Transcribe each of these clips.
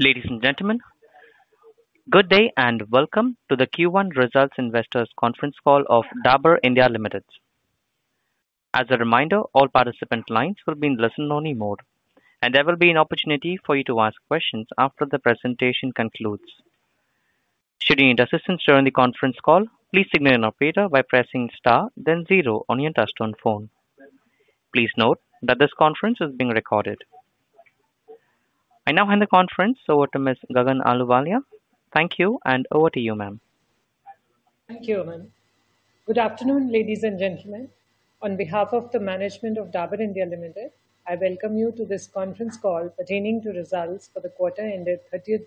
Ladies and gentlemen, good day and welcome to the Q1 Results Investors Conference Call of Dabur India Limited. As a reminder, all participant lines will be in listen-only mode, and there will be an opportunity for you to ask questions after the presentation concludes. Should you need assistance during the conference call, please signal an operator by pressing Star then Zero on your touchtone phone. Please note that this conference is being recorded. I now hand the conference over to Ms. Gagan Ahluwalia. Thank you, and over to you, ma'am. Thank you, ma'am. Good afternoon, ladies and gentlemen. On behalf of the management of Dabur India Limited, I welcome you to this conference call pertaining to results for the quarter ended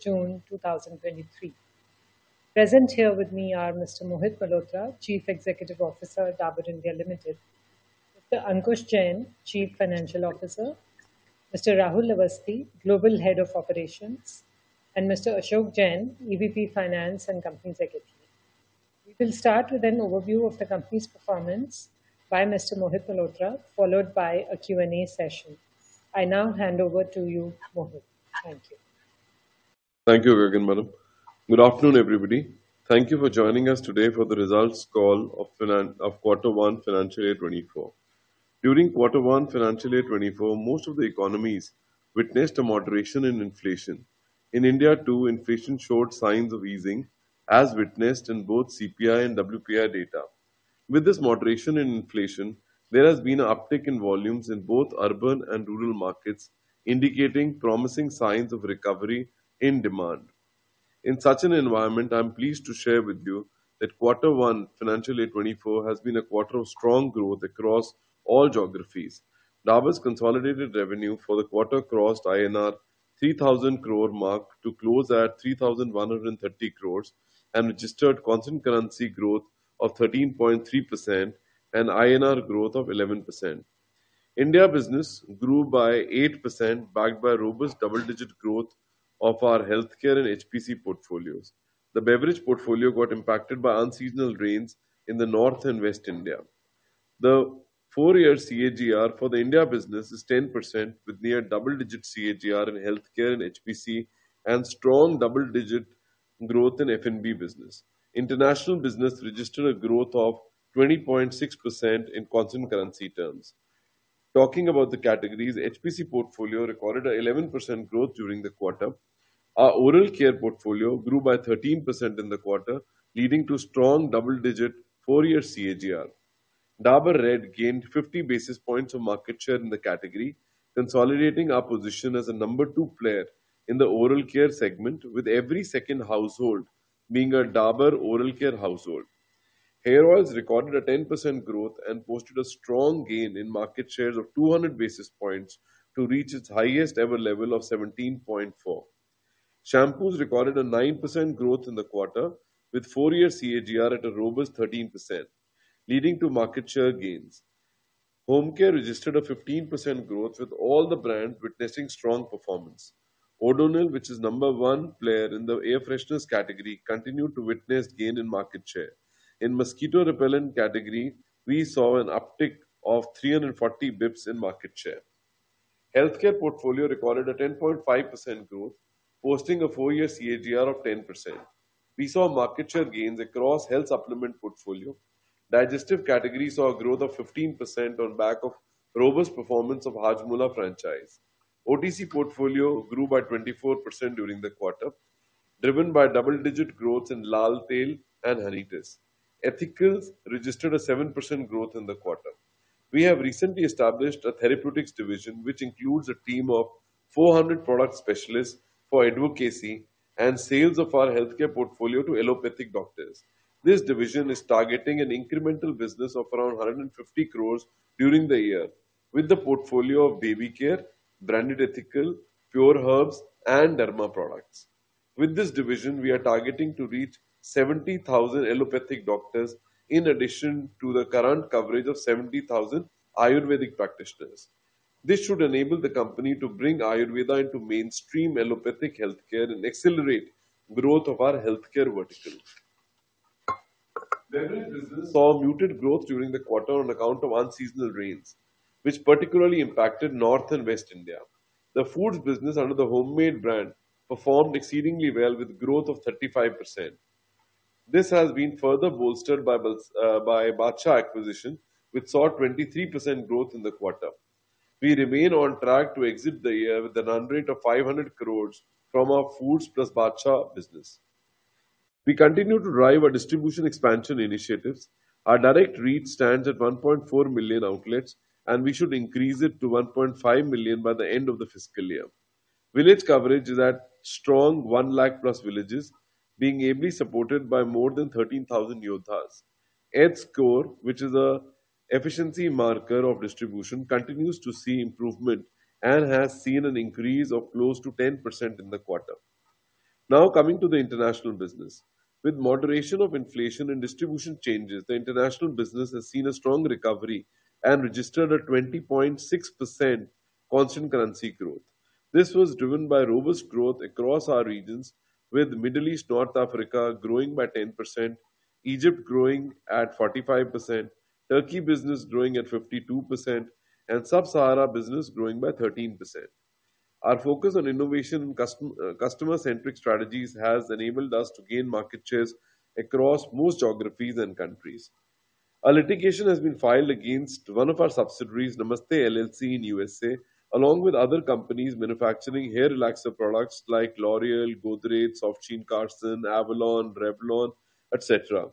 June 30th, 2023. Present here with me are Mr. Mohit Malhotra, Chief Executive Officer at Dabur India Limited; Mr. Ankush Jain, Chief Financial Officer; Mr. Rahul Awasthi, Global Head of Operations; and Mr. Ashok Jain, EVP Finance and Company Secretary. We will start with an overview of the company's performance by Mr. Mohit Malhotra, followed by a Q&A session. I now hand over to you, Mohit. Thank you. Thank you, Gagan, madam. Good afternoon, everybody. Thank you for joining us today for the results call of Q1, FY24. During Q1, FY24, most of the economies witnessed a moderation in inflation. In India, too, inflation showed signs of easing, as witnessed in both CPI and WPI data. With this moderation in inflation, there has been an uptick in volumes in both urban and rural markets, indicating promising signs of recovery in demand. In such an environment, I'm pleased to share with you that Q1, FY24, has been a quarter of strong growth across all geographies. Dabur's consolidated revenue for the quarter crossed INR 3,000 crore mark to close at 3,130 crore and registered constant currency growth of 13.3% and INR growth of 11%. India business grew by 8%, backed by robust double-digit growth of our Healthcare and HPC portfolios. The beverage portfolio got impacted by unseasonal rains in the North and West India. The four-year CAGR for the India business is 10%, with near double-digit CAGR in Healthcare and HPC, and strong double-digit growth in F&B business. International business registered a growth of 20.6% in constant currency terms. Talking about the categories, HPC portfolio recorded an 11% growth during the quarter. Our oral care portfolio grew by 13% in the quarter, leading to strong double-digit four-year CAGR. Dabur Red gained 50 basis points of market share in the category, consolidating our position as a number two player in the oral care segment, with every second household being a Dabur oral care household. Hair oils recorded a 10% growth and posted a strong gain in market shares of 200 basis points to reach its highest ever level of 17.4. Shampoos recorded a 9% growth in the quarter, with four-year CAGR at a robust 13%, leading to market share gains. Home care registered a 15% growth, with all the brands witnessing strong performance. Odonil, which is number one player in the air fresheners category, continued to witness gain in market share. In mosquito repellent category, we saw an uptick of 340 basis points in market share. Healthcare portfolio recorded a 10.5% growth, posting a four-year CAGR of 10%. We saw market share gains across health supplement portfolio. Digestive category saw a growth of 15% on back of robust performance of Hajmola franchise. OTC portfolio grew by 24% during the quarter, driven by double-digit growth in Lal Tail and Honitus. Ethicals registered a 7% growth in the quarter. We have recently established a therapeutics division, which includes a team of 400 product specialists for advocacy and sales of our healthcare portfolio to allopathic doctors. This division is targeting an incremental business of around 150 crore during the year, with the portfolio of baby care, branded ethical, Pure Herbs, and derma products. With this division, we are targeting to reach 70,000 allopathic doctors, in addition to the current coverage of 70,000 Ayurvedic practitioners. This should enable the company to bring Ayurveda into mainstream allopathic healthcare and accelerate growth of our healthcare vertical. Beverage business saw muted growth during the quarter on account of unseasonal rains, which particularly impacted North and West India. The foods business under the Dabur Hommade brand performed exceedingly well with growth of 35%. This has been further bolstered by Badshah acquisition, which saw 23% growth in the quarter. We remain on track to exit the year with an run rate of 500 crore from our Foods plus Badshah business. We continue to drive our distribution expansion initiatives. Our direct reach stands at 1.4 million outlets, and we should increase it to 1.5 million by the end of the fiscal year. Village coverage is at strong 1 lakh+ villages, being ably supported by more than 13,000 Yodhas. ED score, which is a efficiency marker of distribution, continues to see improvement and has seen an increase of close to 10% in the quarter. Now, coming to the International business. With moderation of inflation and distribution changes, the International business has seen a strong recovery and registered a 20.6% constant currency growth. This was driven by robust growth across our regions, with Middle East, North Africa growing by 10%, Egypt growing at 45%, Turkey business growing at 52%, and Sub-Sahara business growing by 13%. Our focus on innovation and customer-centric strategies has enabled us to gain market shares across most geographies and countries. A litigation has been filed against one of our subsidiaries, Namaste LLC, in USA, along with other companies manufacturing hair relaxer products like L'Oréal, Godrej, SoftSheen-Carson, Avalon, Revlon, et cetera,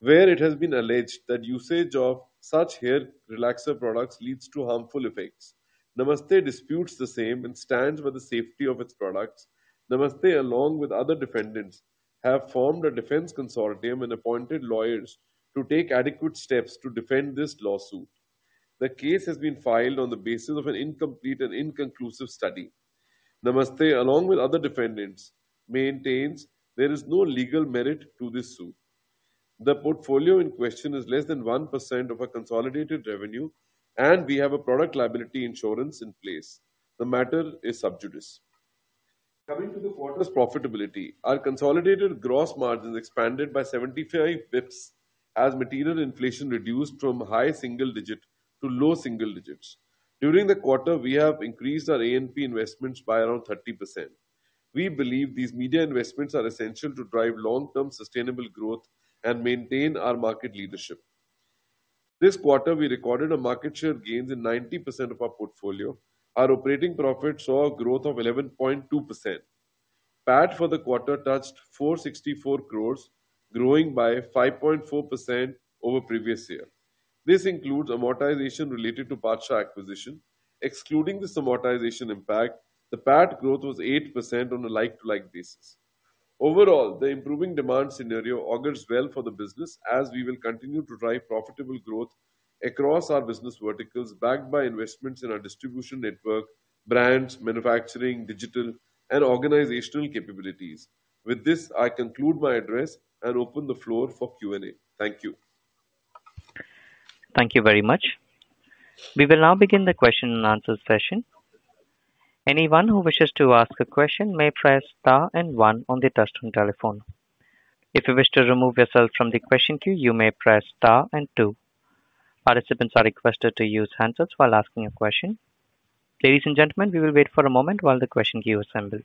where it has been alleged that usage of such hair relaxer products leads to harmful effects. Namaste disputes the same and stands with the safety of its products. Namaste, along with other defendants, have formed a defense consortium and appointed lawyers to take adequate steps to defend this lawsuit. The case has been filed on the basis of an incomplete and inconclusive study. Namaste, along with other defendants, maintains there is no legal merit to this suit. The portfolio in question is less than 1% of our consolidated revenue, and we have a product liability insurance in place. The matter is sub judice. Coming to the quarter's profitability, our consolidated gross margins expanded by 75 basis points as material inflation reduced from high single-digit to low single-digits. During the quarter, we have increased our A&P investments by around 30%. We believe these media investments are essential to drive long-term sustainable growth and maintain our market leadership. This quarter, we recorded a market share gains in 90% of our portfolio. Our operating profits saw a growth of 11.2%. PAT for the quarter touched 464 crore, growing by 5.4% over previous year. This includes amortization related to Badshah acquisition. Excluding this amortization impact, the PAT growth was 8% on a like-to-like basis. Overall, the improving demand scenario augurs well for the business as we will continue to drive profitable growth across our business verticals, backed by investments in our distribution network, brands, manufacturing, digital, and organizational capabilities. With this, I conclude my address and open the floor for Q&A. Thank you. Thank you very much. We will now begin the question and answer session. Anyone who wishes to ask a question may press star and one on the touchtone telephone. If you wish to remove yourself from the question queue, you may press star and two. Participants are requested to use handsets while asking a question. Ladies and gentlemen, we will wait for a moment while the question queue assembles.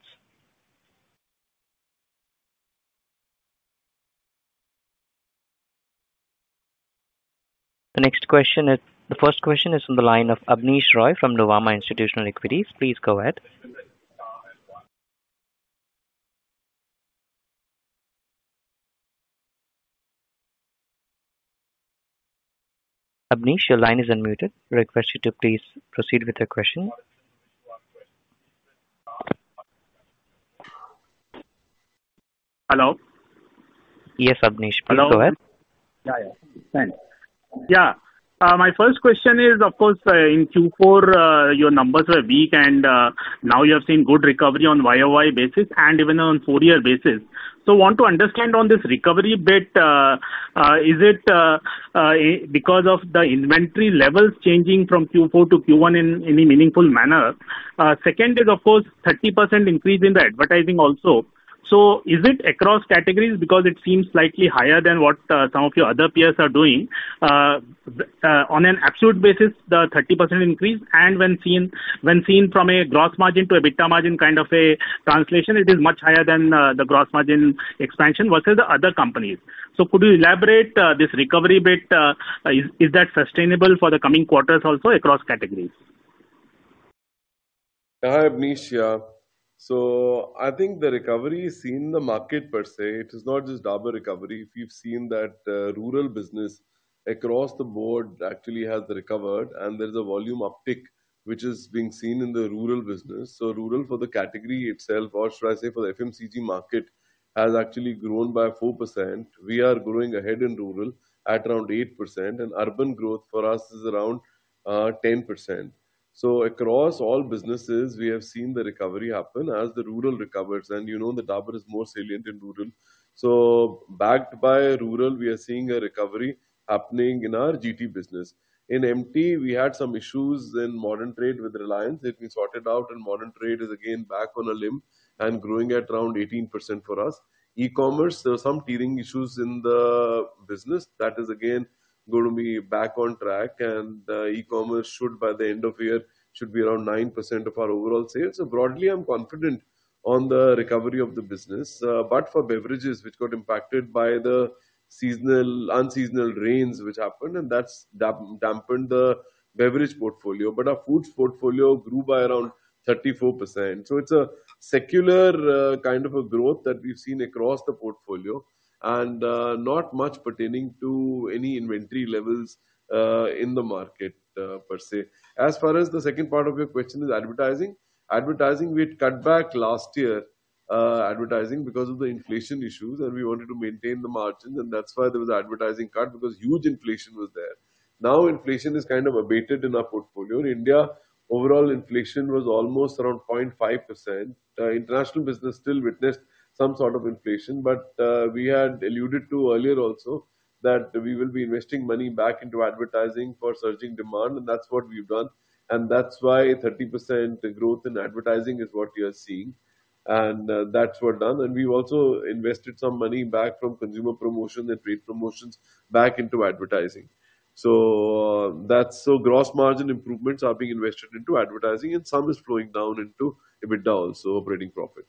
The first question is from the line of Abneesh Roy from Nomura Institutional Equities. Please go ahead. Abneesh, your line is unmuted. We request you to please proceed with your question. Hello? Yes, Abneesh, please go ahead. Hello. Yeah, yeah. Thanks. Yeah. My first question is, of course, in Q4, your numbers were weak, and now you have seen good recovery on YOY basis and even on four-year basis. I want to understand on this recovery bit, is it because of the inventory levels changing from Q4 to Q1 in a meaningful manner? Second is, of course, 30% increase in the advertising also. Is it across categories? It seems slightly higher than what some of your other peers are doing. On an absolute basis, the 30% increase and when seen, when seen from a gross margin to a EBITDA margin, kind of a translation, it is much higher than the gross margin expansion versus the other companies. Could you elaborate this recovery bit? Is that sustainable for the coming quarters also across categories? Hi, Abneesh. Yeah. I think the recovery is in the market per se. It is not just Dabur recovery. If you've seen that, rural business across the board actually has recovered, and there is a volume uptick, which is being seen in the rural business. Rural for the category itself, or should I say, for the FMCG market, has actually grown by 4%. We are growing ahead in rural at around 8%, and urban growth for us is around 10%. Across all businesses, we have seen the recovery happen as the rural recovers, and you know, Dabur is more salient in rural. Backed by rural, we are seeing a recovery happening in our GT business. In MP, we had some issues in modern trade with Reliance that we sorted out, and modern trade is again back on a limb and growing at around 18% for us. E-commerce, there were some teething issues in the business. That is again, going to be back on track, and e-commerce should, by the end of year, should be around 9% of our overall sales. Broadly, I'm confident on the recovery of the business, but for beverages, which got impacted by the seasonal- unseasonal rains which happened, and that's damp, dampened the beverage portfolio. Our foods portfolio grew by around 34%. It's a secular, kind of a growth that we've seen across the portfolio and not much pertaining to any inventory levels in the market, per se. As far as the second part of your question is advertising. Advertising, we had cut back last year, advertising because of the inflation issues, and we wanted to maintain the margins, and that's why there was advertising cut, because huge inflation was there. Now inflation is kind of abated in our portfolio. In India, overall inflation was almost around 0.5%. International business still witnessed some sort of inflation, but we had alluded to earlier also that we will be investing money back into advertising for surging demand, and that's what we've done. That's were done, and we also invested some money back from consumer promotions and trade promotions back into advertising. That's so gross margin improvements are being invested into advertising, and some is flowing down into EBITDA, also operating profit.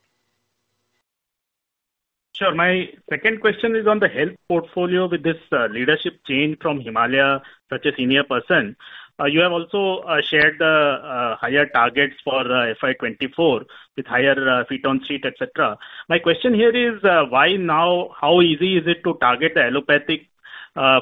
Sure. My second question is on the health portfolio with this leadership change from Himalaya, such a senior person. You have also shared the higher targets for FY24, with higher feet on street, et cetera. My question here is, why now? How easy is it to target the allopathic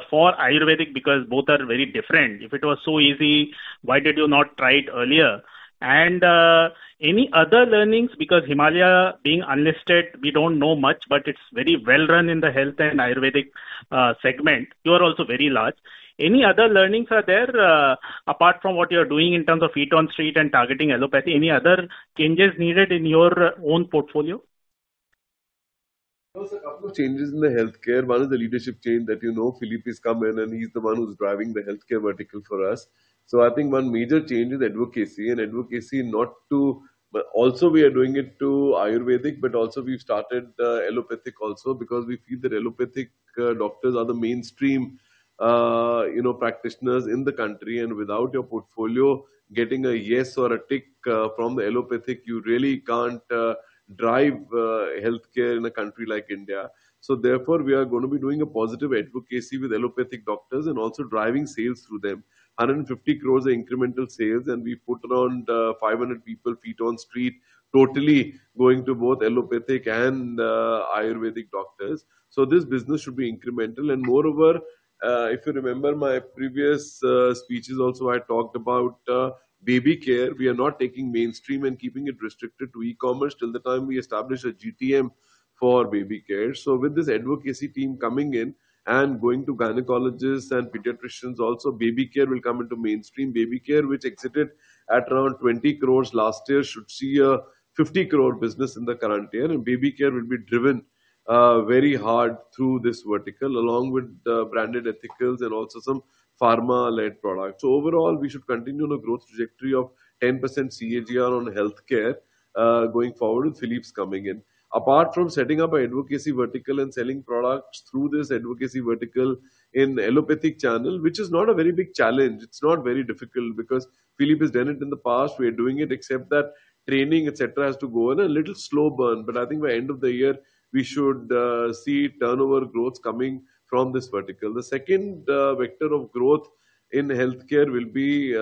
for Ayurvedic? Because both are very different. If it was so easy, why did you not try it earlier? Any other learnings, because Himalaya being unlisted, we don't know much, but it's very well run in the health and Ayurvedic segment. You are also very large. Any other learnings are there, apart from what you are doing in terms of feet on street and targeting allopathy, any other changes needed in your own portfolio? There was a couple of changes in the healthcare. One is the leadership change that you know, Philip has come in, and he's the one who's driving the healthcare vertical for us. I think one major change is advocacy, and advocacy not to but also we are doing it to Ayurvedic, but also we've started allopathic also, because we feel that allopathic doctors are the mainstream, you know, practitioners in the country, and without your portfolio getting a yes or a tick from the allopathic, you really can't drive healthcare in a country like India. Therefore, we are going to be doing a positive advocacy with allopathic doctors and also driving sales through them. 150 crore are incremental sales, and we put around 500 people feet on street, totally going to both allopathic and Ayurvedic doctors. This business should be incremental. Moreover, if you remember my previous speeches also, I talked about baby care. We are not taking mainstream and keeping it restricted to e-commerce till the time we establish a GTM for baby care. With this advocacy team coming in and going to gynecologists and pediatricians also, baby care will come into mainstream. Baby care, which exited at around 20 crore last year, should see a 50 crore business in the current year. Baby care will be driven very hard through this vertical, along with the branded ethicals and also some pharma-led products. Overall, we should continue on a growth trajectory of 10% CAGR on Healthcare going forward, with Philip coming in. Apart from setting up an advocacy vertical and selling products through this advocacy vertical in allopathic channel, which is not a very big challenge. It's not very difficult because Philip has done it in the past. We are doing it, except that training, et cetera, has to go on a little slow burn, but I think by end of the year, we should see turnover growth coming from this vertical. The second vector of growth in Healthcare will be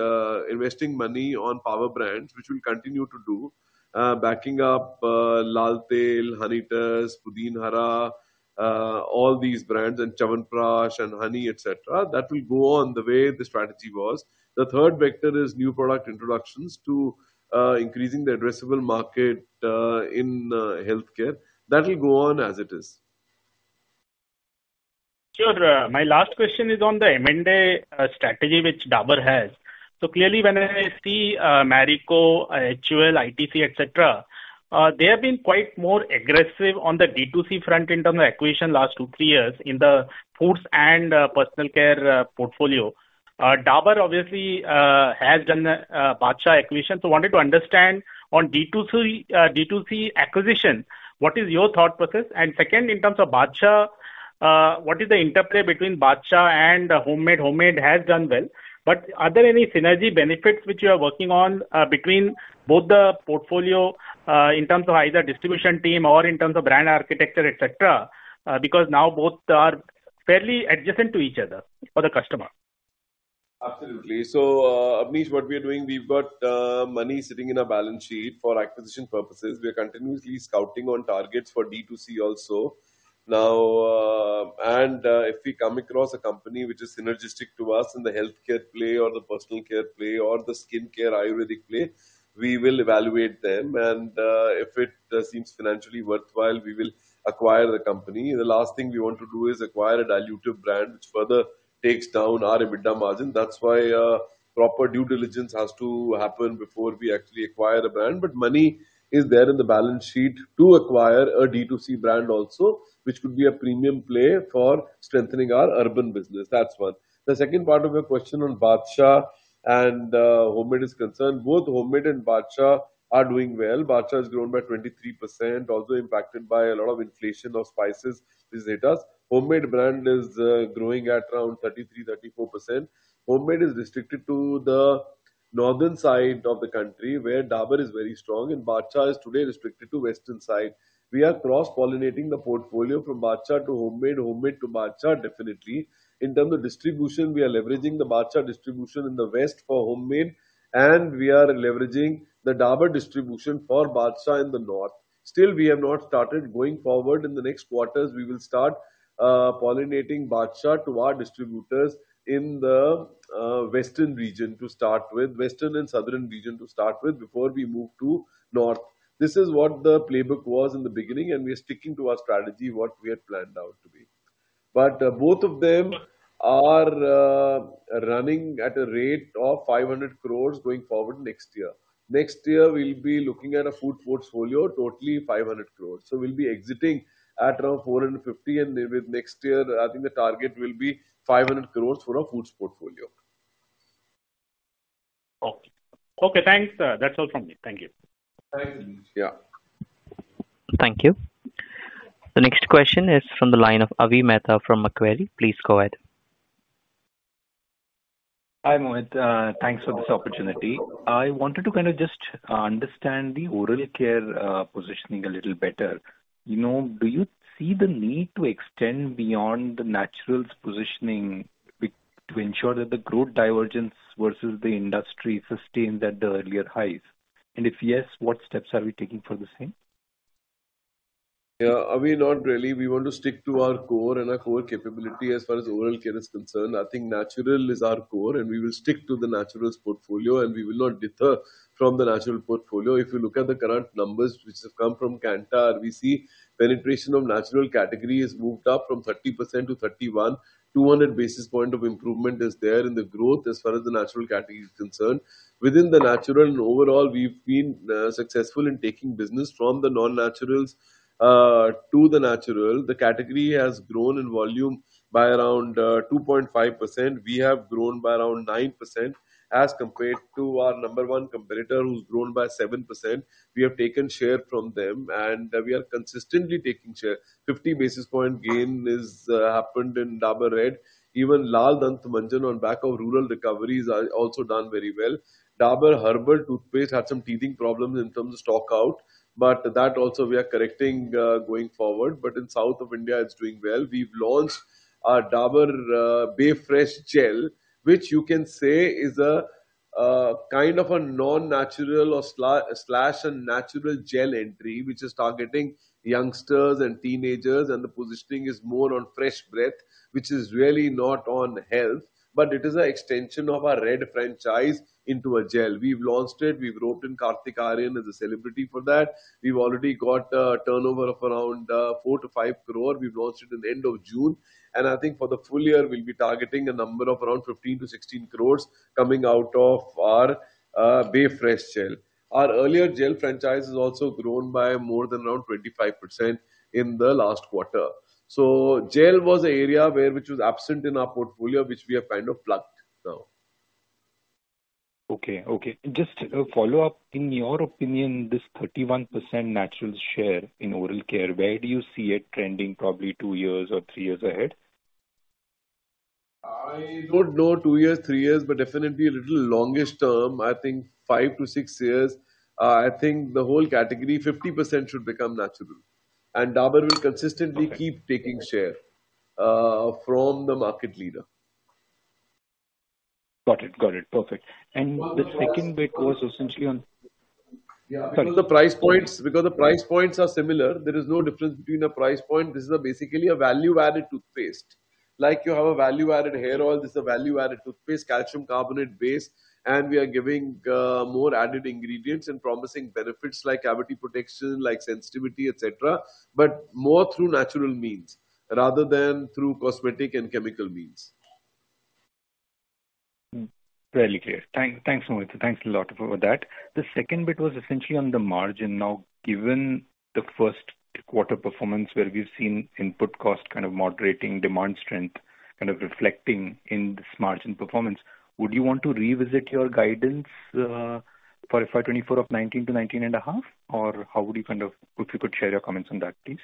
investing money on power brands, which we'll continue to do, backing up Lal Tail, Honitus, Pudin Hara, all these brands, and Chyawanprash and Honey, et cetera. That will go on the way the strategy was. The third vector is new product introductions to increasing the addressable market in Healthcare. That will go on as it is. Sure. My last question is on the M&A strategy, which Dabur has. Clearly, when I see Marico, HUL, ITC, et cetera, they have been quite more aggressive on the D2C front in terms of acquisition last two, three years in the foods and personal care portfolio. Dabur obviously has done the Badshah acquisition. Wanted to understand on D2C D2C acquisition, what is your thought process? Second, in terms of Badshah, what is the interplay between Badshah and Homemade? Homemade has done well, but are there any synergy benefits which you are working on between both the portfolio in terms of either distribution team or in terms of brand architecture, et cetera? Because now both are fairly adjacent to each other for the customer. Absolutely. Abneesh, what we are doing, we've got money sitting in our balance sheet for acquisition purposes. We are continuously scouting on targets for D2C also. If we come across a company which is synergistic to us in the healthcare play or the personal care play or the skincare Ayurvedic play, we will evaluate them, and if it seems financially worthwhile, we will acquire the company. The last thing we want to do is acquire a dilutive brand, which further takes down our EBITDA margin. That's why proper due diligence has to happen before we actually acquire the brand. Money is there in the balance sheet to acquire a D2C brand also, which could be a premium play for strengthening our urban business. That's one. The second part of your question on Badshah and Hommade is concerned. Both Homemade and Badshah are doing well. Badshah has grown by 23%, also impacted by a lot of inflation of spices vis-à-vis. Homemade brand is growing at around 33%-34%. Homemade is restricted to the northern side of the country, where Dabur is very strong, and Badshah is today restricted to western side. We are cross-pollinating the portfolio from Badshah to Homemade, Homemade to Badshah, definitely. In terms of distribution, we are leveraging the Badshah distribution in the west for Homemade, and we are leveraging the Dabur distribution for Badshah in the north. Still, we have not started. Going forward, in the next quarters, we will start pollinating Badshah to our distributors in the western region to start with. Western and southern region to start with before we move to north. This is what the playbook was in the beginning, and we are sticking to our strategy, what we had planned out to be. Both of them are running at a rate of 500 crore going forward next year. Next year, we'll be looking at a foods portfolio, totally 500 crore. We'll be exiting at around 450 crore, and with next year, I think the target will be 500 crore for our foods portfolio.... Okay, okay, thanks. That's all from me. Thank you. Thanks. Yeah. Thank you. The next question is from the line of Avi Mehta from Macquarie. Please go ahead. Hi, Mohit. Thanks for this opportunity. I wanted to kind of just understand the oral care positioning a little better. You know, do you see the need to extend beyond the naturals positioning to ensure that the growth divergence versus the industry sustained at the earlier highs? If yes, what steps are we taking for the same? Yeah, Avi, not really. We want to stick to our core and our core capability. As far as oral care is concerned, I think natural is our core, and we will stick to the naturals portfolio, and we will not deter from the natural portfolio. If you look at the current numbers which have come from Kantar, we see penetration of natural category has moved up from 30% to 31%. 200 basis points of improvement is there in the growth as far as the natural category is concerned. Within the natural and overall, we've been successful in taking business from the non-naturals to the natural. The category has grown in volume by around 2.5%. We have grown by around 9% as compared to our number one competitor, who's grown by 7%. We have taken share from them. We are consistently taking share. 50 basis points gain is happened in Dabur Red. Even Lal Dant Manjan, on back of rural recoveries, are also done very well. Dabur Herbal toothpaste had some teething problems in terms of stock out, but that also we are correcting going forward. In south of India, it's doing well. We've launched our Dabur Bae Fresh Gel, which you can say is a kind of a non-natural or slash a natural gel entry, which is targeting youngsters and teenagers, and the positioning is more on fresh breath, which is really not on health, but it is an extension of our Red franchise into a gel. We've launched it. We've roped in Kartik Aaryan as a celebrity for that. We've already got a turnover of around 4-5 crore. We've launched it in the end of June, and I think for the full year, we'll be targeting a number of around 15 crore-16 crore coming out of our, Bae Fresh Gel. Our earlier gel franchise has also grown by more than around 25% in the last quarter. Gel was an area where which was absent in our portfolio, which we have kind of plucked now. Okay, okay. Just a follow-up: In your opinion, this 31% naturals share in oral care, where do you see it trending, probably two years or three years ahead? I don't know, two years, three years, but definitely a little longest term, I think five to six years, I think the whole category, 50%, should become natural, and Dabur will consistently- Okay. -keep taking share, from the market leader. Got it. Got it. Perfect. Well, the second- The second bit was essentially on... Yeah. Sorry. Because the price points, because the price points are similar, there is no difference between the price point. This is a basically a value-added toothpaste. Like you have a value-added hair oil, this is a value-added toothpaste, calcium carbonate-based, and we are giving more added ingredients and promising benefits like cavity protection, like sensitivity, et cetera, but more through natural means rather than through cosmetic and chemical means. Hmm. Fairly clear. Thank, thanks, Mohit. Thanks a lot for that. The second bit was essentially on the margin. Given the Q1 performance, where we've seen input cost kind of moderating, demand strength kind of reflecting in this margin performance, would you want to revisit your guidance for FY24 of 19%-19.5%? How would you kind of... If you could share your comments on that, please.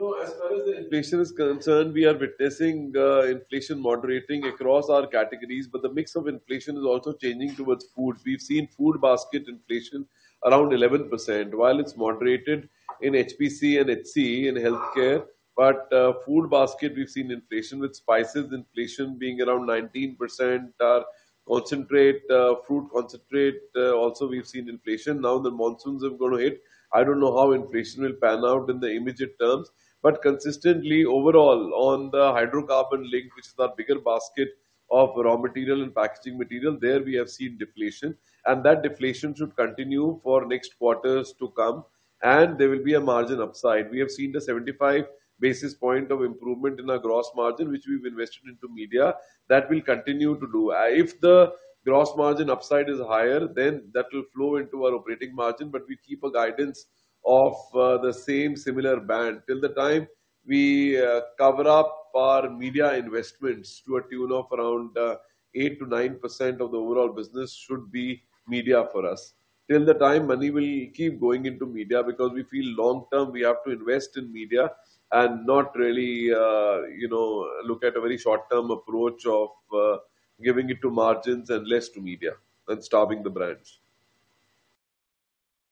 As far as the inflation is concerned, we are witnessing inflation moderating across our categories, but the mix of inflation is also changing towards food. We've seen food basket inflation around 11%, while it's moderated in HPC and HC in healthcare, but food basket, we've seen inflation, with spices inflation being around 19%. Our concentrate, fruit concentrate, also we've seen inflation. The monsoons have gone ahead. I don't know how inflation will pan out in the immediate terms, but consistently, overall, on the hydrocarbon link, which is the bigger basket of raw material and packaging material, there we have seen deflation, and that deflation should continue for next quarters to come, and there will be a margin upside. We have seen the 75 basis point of improvement in our gross margin, which we've invested into media. That will continue to do. If the gross margin upside is higher, then that will flow into our operating margin. We keep a guidance of the same similar band. Till the time we cover up our media investments to a tune of around 8% to 9% of the overall business should be media for us. Till the time, money will keep going into media, because we feel long term, we have to invest in media and not really, you know, look at a very short-term approach of giving it to margins and less to media and starving the brands.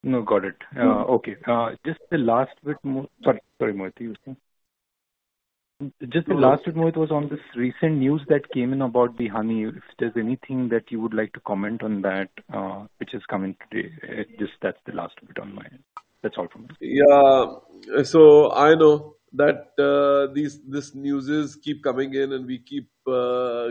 No, got it. Okay. Mm. Just the last bit, Mo- Sorry, sorry, Mohit, you were saying? Just the last bit, Mohit, was on this recent news that came in about Dhani. If there's anything that you would like to comment on that, which is coming today. Just that's the last bit on my end. ...Yeah, I know that these, these news keep coming in, we keep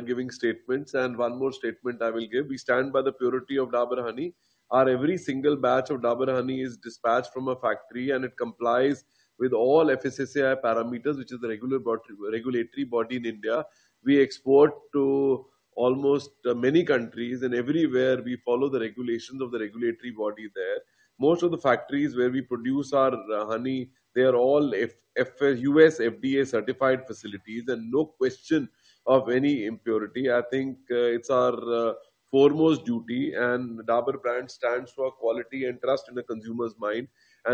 giving statements. One more statement I will give: We stand by the purity of Dabur Honey. Our every single batch of Dabur Honey is dispatched from a factory, it complies with all FSSAI parameters, which is the regular body, regulatory body in India. We export to almost many countries, everywhere we follow the regulations of the regulatory body there. Most of the factories where we produce our honey, they are all USFDA certified facilities, no question of any impurity. I think it's our foremost duty, Dabur brand stands for quality and trust in the consumer's mind,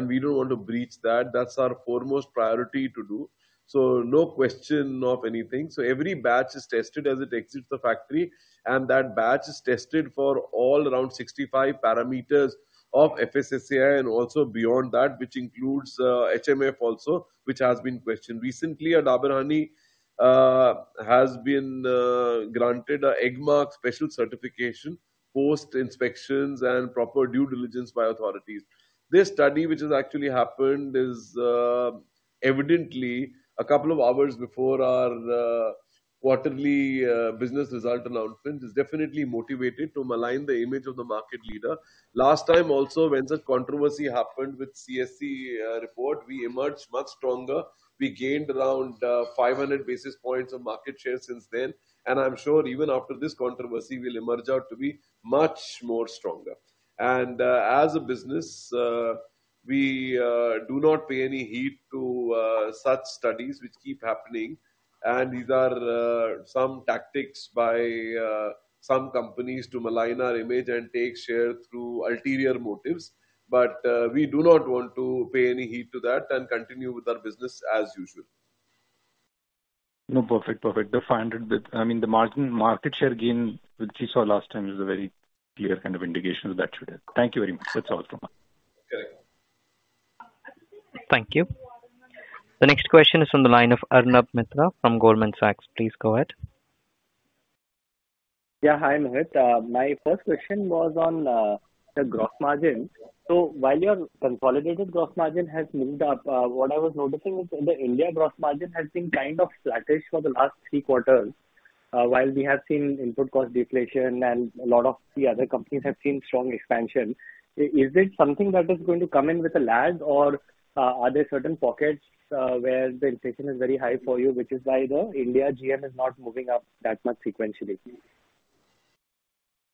we don't want to breach that. That's our foremost priority to do. No question of anything. Every batch is tested as it exits the factory, and that batch is tested for all around 65 parameters of FSSAI and also beyond that, which includes HMF also, which has been questioned. Recently, Dabur Honey has been granted an Agmark special certification, post inspections and proper due diligence by authorities. This study, which has actually happened, is evidently a couple of hours before our quarterly business result announcement, is definitely motivated to malign the image of the market leader. Last time also, when such controversy happened with CSC report, we emerged much stronger. We gained around 500 basis points of market share since then, and I'm sure even after this controversy, we'll emerge out to be much more stronger. As a business, we do not pay any heed to such studies which keep happening. These are some tactics by some companies to malign our image and take share through ulterior motives. We do not want to pay any heed to that and continue with our business as usual. No, perfect. Perfect. The 500... I mean, the margin, market share gain, which we saw last time, is a very clear kind of indication of that share. Thank you very much. That's all from us. Okay. Thank you. The next question is from the line of Arnab Mitra from Goldman Sachs. Please go ahead. Yeah, hi, Mohit. My first question was on the gross margin. While your consolidated gross margin has moved up, what I was noticing is the India gross margin has been kind of flattish for the last three quarters, while we have seen input cost deflation and a lot of the other companies have seen strong expansion. Is it something that is going to come in with a lag, or, are there certain pockets, where the inflation is very high for you, which is why the India GM is not moving up that much sequentially?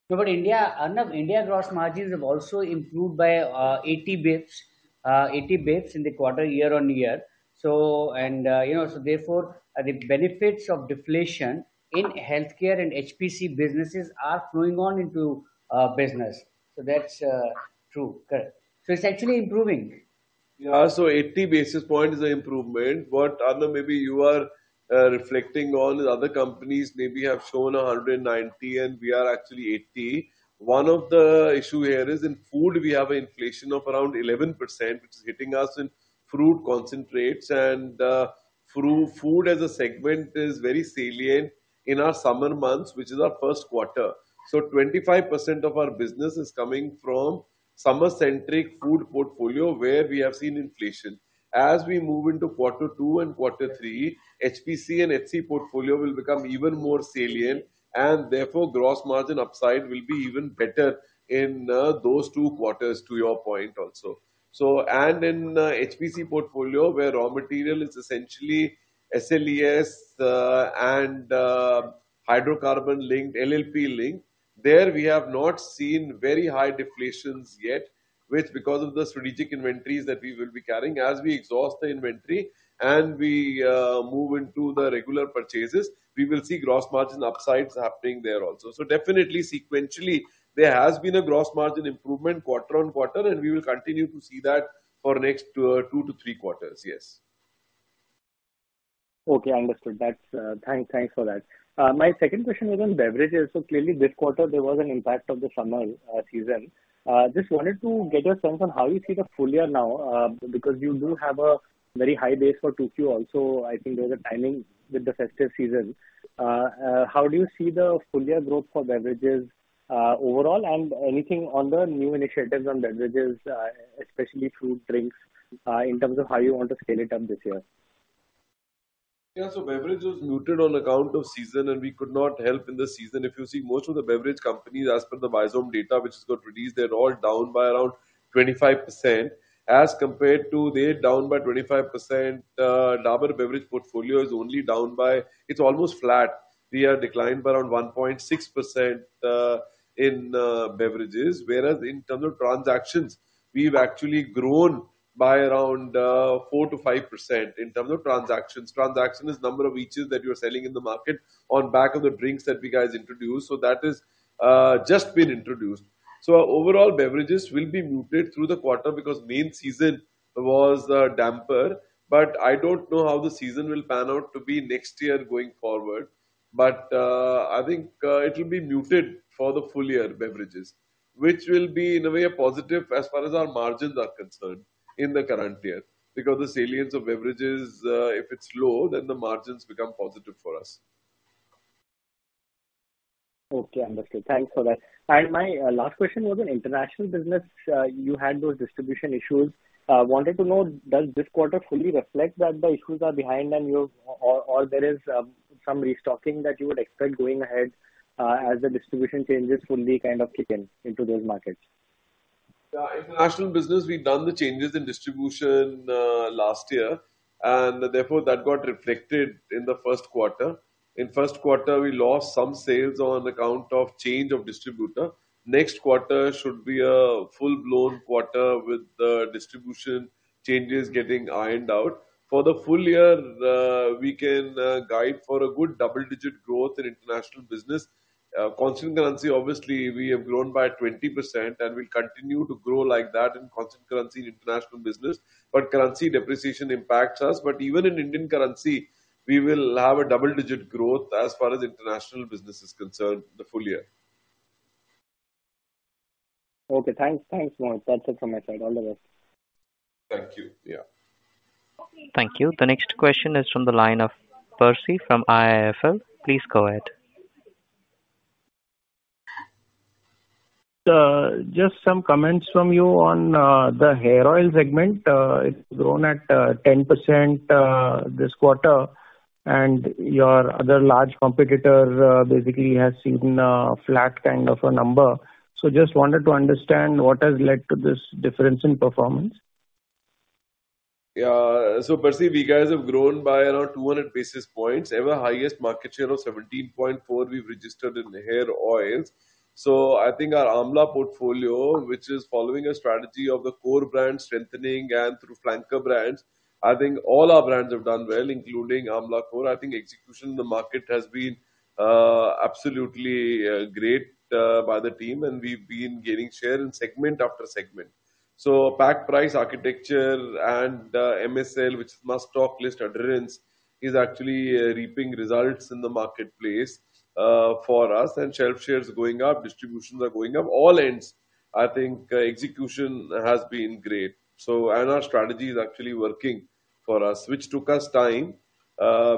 India, Arnab, India gross margins have also improved by 80 bps, 80 bps in the quarter, year-on-year. And, you know, therefore, the benefits of deflation in Healthcare and HPC businesses are flowing on into business. That's true. Correct. It's actually improving. 80 basis points is an improvement. Arnab, maybe you are reflecting all the other companies maybe have shown 190, and we are actually 80. One of the issue here is in food, we have an inflation of around 11%, which is hitting us in fruit concentrates. Food as a segment is very salient in our summer months, which is our Q1. 25% of our business is coming from summer-centric food portfolio, where we have seen inflation. As we move into quarter two and quarter three, HPC and Healthcare portfolio will become even more salient, and therefore, gross margin upside will be even better in those two quarters, to your point also. In the HPC portfolio, where raw material is essentially SLES, and hydrocarbon linked, LLP linked, there we have not seen very high deflations yet, which because of the strategic inventories that we will be carrying. As we exhaust the inventory and we move into the regular purchases, we will see gross margin upsides happening there also. Definitely sequentially, there has been a gross margin improvement quarter-on-quarter, and we will continue to see that for next two to three quarters. Yes. Okay, understood. That's... Thanks, thanks for that. My second question was on beverages. Clearly this quarter there was an impact of the summer season. Just wanted to get a sense on how you see the full year now, because you do have a very high base for 2Q also. I think there's a timing with the festive season. How do you see the full year growth for beverages overall? Anything on the new initiatives on beverages, especially fruit drinks, in terms of how you want to scale it up this year? Yeah, so beverages was muted on account of season, and we could not help in the season. If you see most of the beverage companies as per the Wisem data, which has got released, they're all down by around 25%. As compared to they're down by 25%, Dabur beverage portfolio is only down by. It's almost flat. We are declined by around 1.6% in beverages, whereas in terms of transactions, we've actually grown by around 4-5% in terms of transactions. Transaction is number of units that you are selling in the market on back of the drinks that we guys introduced, so that is just been introduced. Overall, beverages will be muted through the quarter because main season was damper. I don't know how the season will pan out to be next year going forward, but I think it will be muted for the full year, beverages. Which will be in a way, a positive as far as our margins are concerned in the current year, because the salience of beverages, if it's low, then the margins become positive for us. Okay, understood. Thanks for that. My last question was on international business. You had those distribution issues. Wanted to know, does this quarter fully reflect that the issues are behind and you've-- or, or there is some restocking that you would expect going ahead, as the distribution changes fully kind of kick in into those markets? Yeah. International business, we've done the changes in distribution last year, and therefore, that got reflected in the Q1. In Q1, we lost some sales on account of change of distributor. Next quarter should be a full-blown quarter with the distribution changes getting ironed out. For the full year, we can guide for a good double-digit growth in International business. Constant currency, obviously, we have grown by 20%, and we'll continue to grow like that in constant currency in International business. Currency depreciation impacts us, but even in Indian currency, we will have a double-digit growth as far as International business is concerned, the full year. Okay, thanks. Thanks, Mohit. That's it from my side. All the best. Thank you. Yeah. Thank you. The next question is from the line of Percy from IIFL. Please go ahead. Just some comments from you on the hair oil segment. It's grown at 10% this quarter, and your other large competitor, basically has seen a flat kind of a number. Just wanted to understand what has led to this difference in performance. Yeah. Percy, we guys have grown by around 200 basis points, ever highest market share of 17.4 we've registered in hair oils. I think our Amla portfolio, which is following a strategy of the core brand strengthening and through flanker brands, I think all our brands have done well, including Amla core. I think execution in the market has been absolutely great by the team, and we've been gaining share in segment after segment. Pack price, architecture, and MSL, which is must-stock list adherence, is actually reaping results in the marketplace for us, and shelf shares are going up, distributions are going up. All ends, I think, execution has been great. Our strategy is actually working for us, which took us time,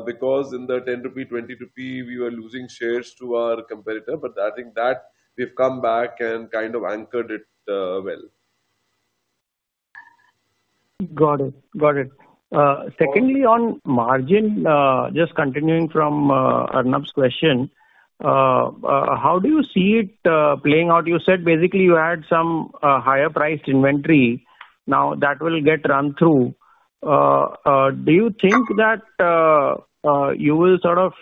because in the 10 rupee, 20 rupee, we were losing shares to our competitor, but I think that we've come back and kind of anchored it, well. Got it. Got it. Secondly, on margin, just continuing from Arnab's question, how do you see it playing out? You said basically you had some higher priced inventory. Now, that will get run through. Do you think that you will sort of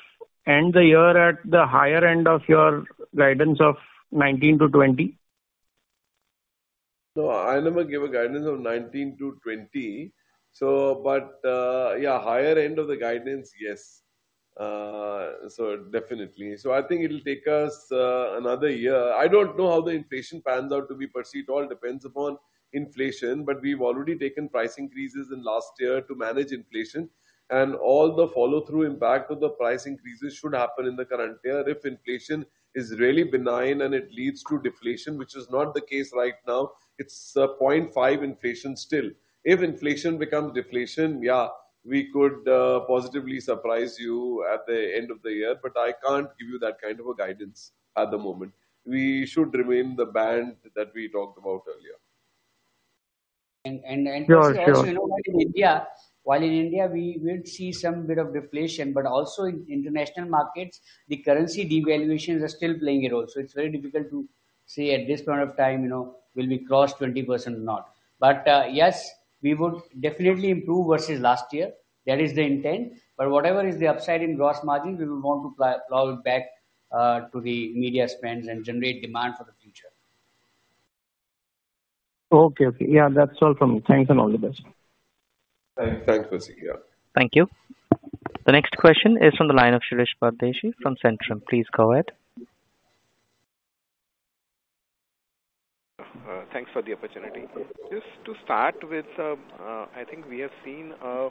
end the year at the higher end of your guidance of 19%-20%? No, I never gave a guidance of 19%-20%. Yeah, higher end of the guidance, yes. Definitely. I think it'll take us another year. I don't know how the inflation pans out to be, Percy. It all depends upon inflation, but we've already taken price increases in last year to manage inflation, and all the follow-through impact of the price increases should happen in the current year. If inflation is really benign and it leads to deflation, which is not the case right now, it's a 0.5% inflation still. If inflation becomes deflation, yeah, we could positively surprise you at the end of the year, but I can't give you that kind of a guidance at the moment. We should remain in the band that we talked about earlier. And, and, and- Sure, sure. While in India, while in India, we will see some bit of deflation, but also in international markets, the currency devaluations are still playing a role. It's very difficult to say at this point of time, you know, will we cross 20% or not. Yes, we would definitely improve versus last year. That is the intent, but whatever is the upside in gross margin, we will want to plow it back to the media spends and generate demand for the future. Okay. Okay. Yeah, that's all from me. Thanks and all the best. Thank, thanks, Percy. Yeah. Thank you. The next question is from the line of Shirish Pardeshi from Centrum. Please go ahead. Thanks for the opportunity. Just to start with, I think we have seen a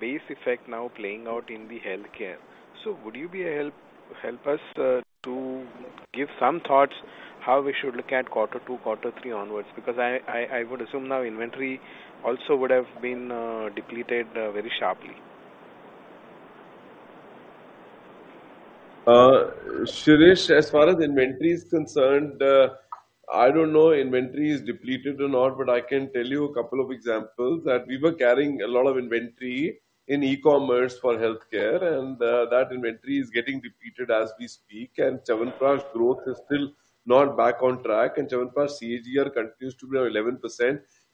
base effect now playing out in the healthcare. Would you be a help, help us to give some thoughts how we should look at quarter two, quarter three onwards? Because I, I, I would assume now inventory also would have been depleted very sharply. Shirish, as far as inventory is concerned, I don't know inventory is depleted or not, but I can tell you a couple of examples, that we were carrying a lot of inventory in e-commerce for healthcare, and that inventory is getting depleted as we speak. Chyawanprash growth is still not back on track, and Chyawanprash CAGR continues to be around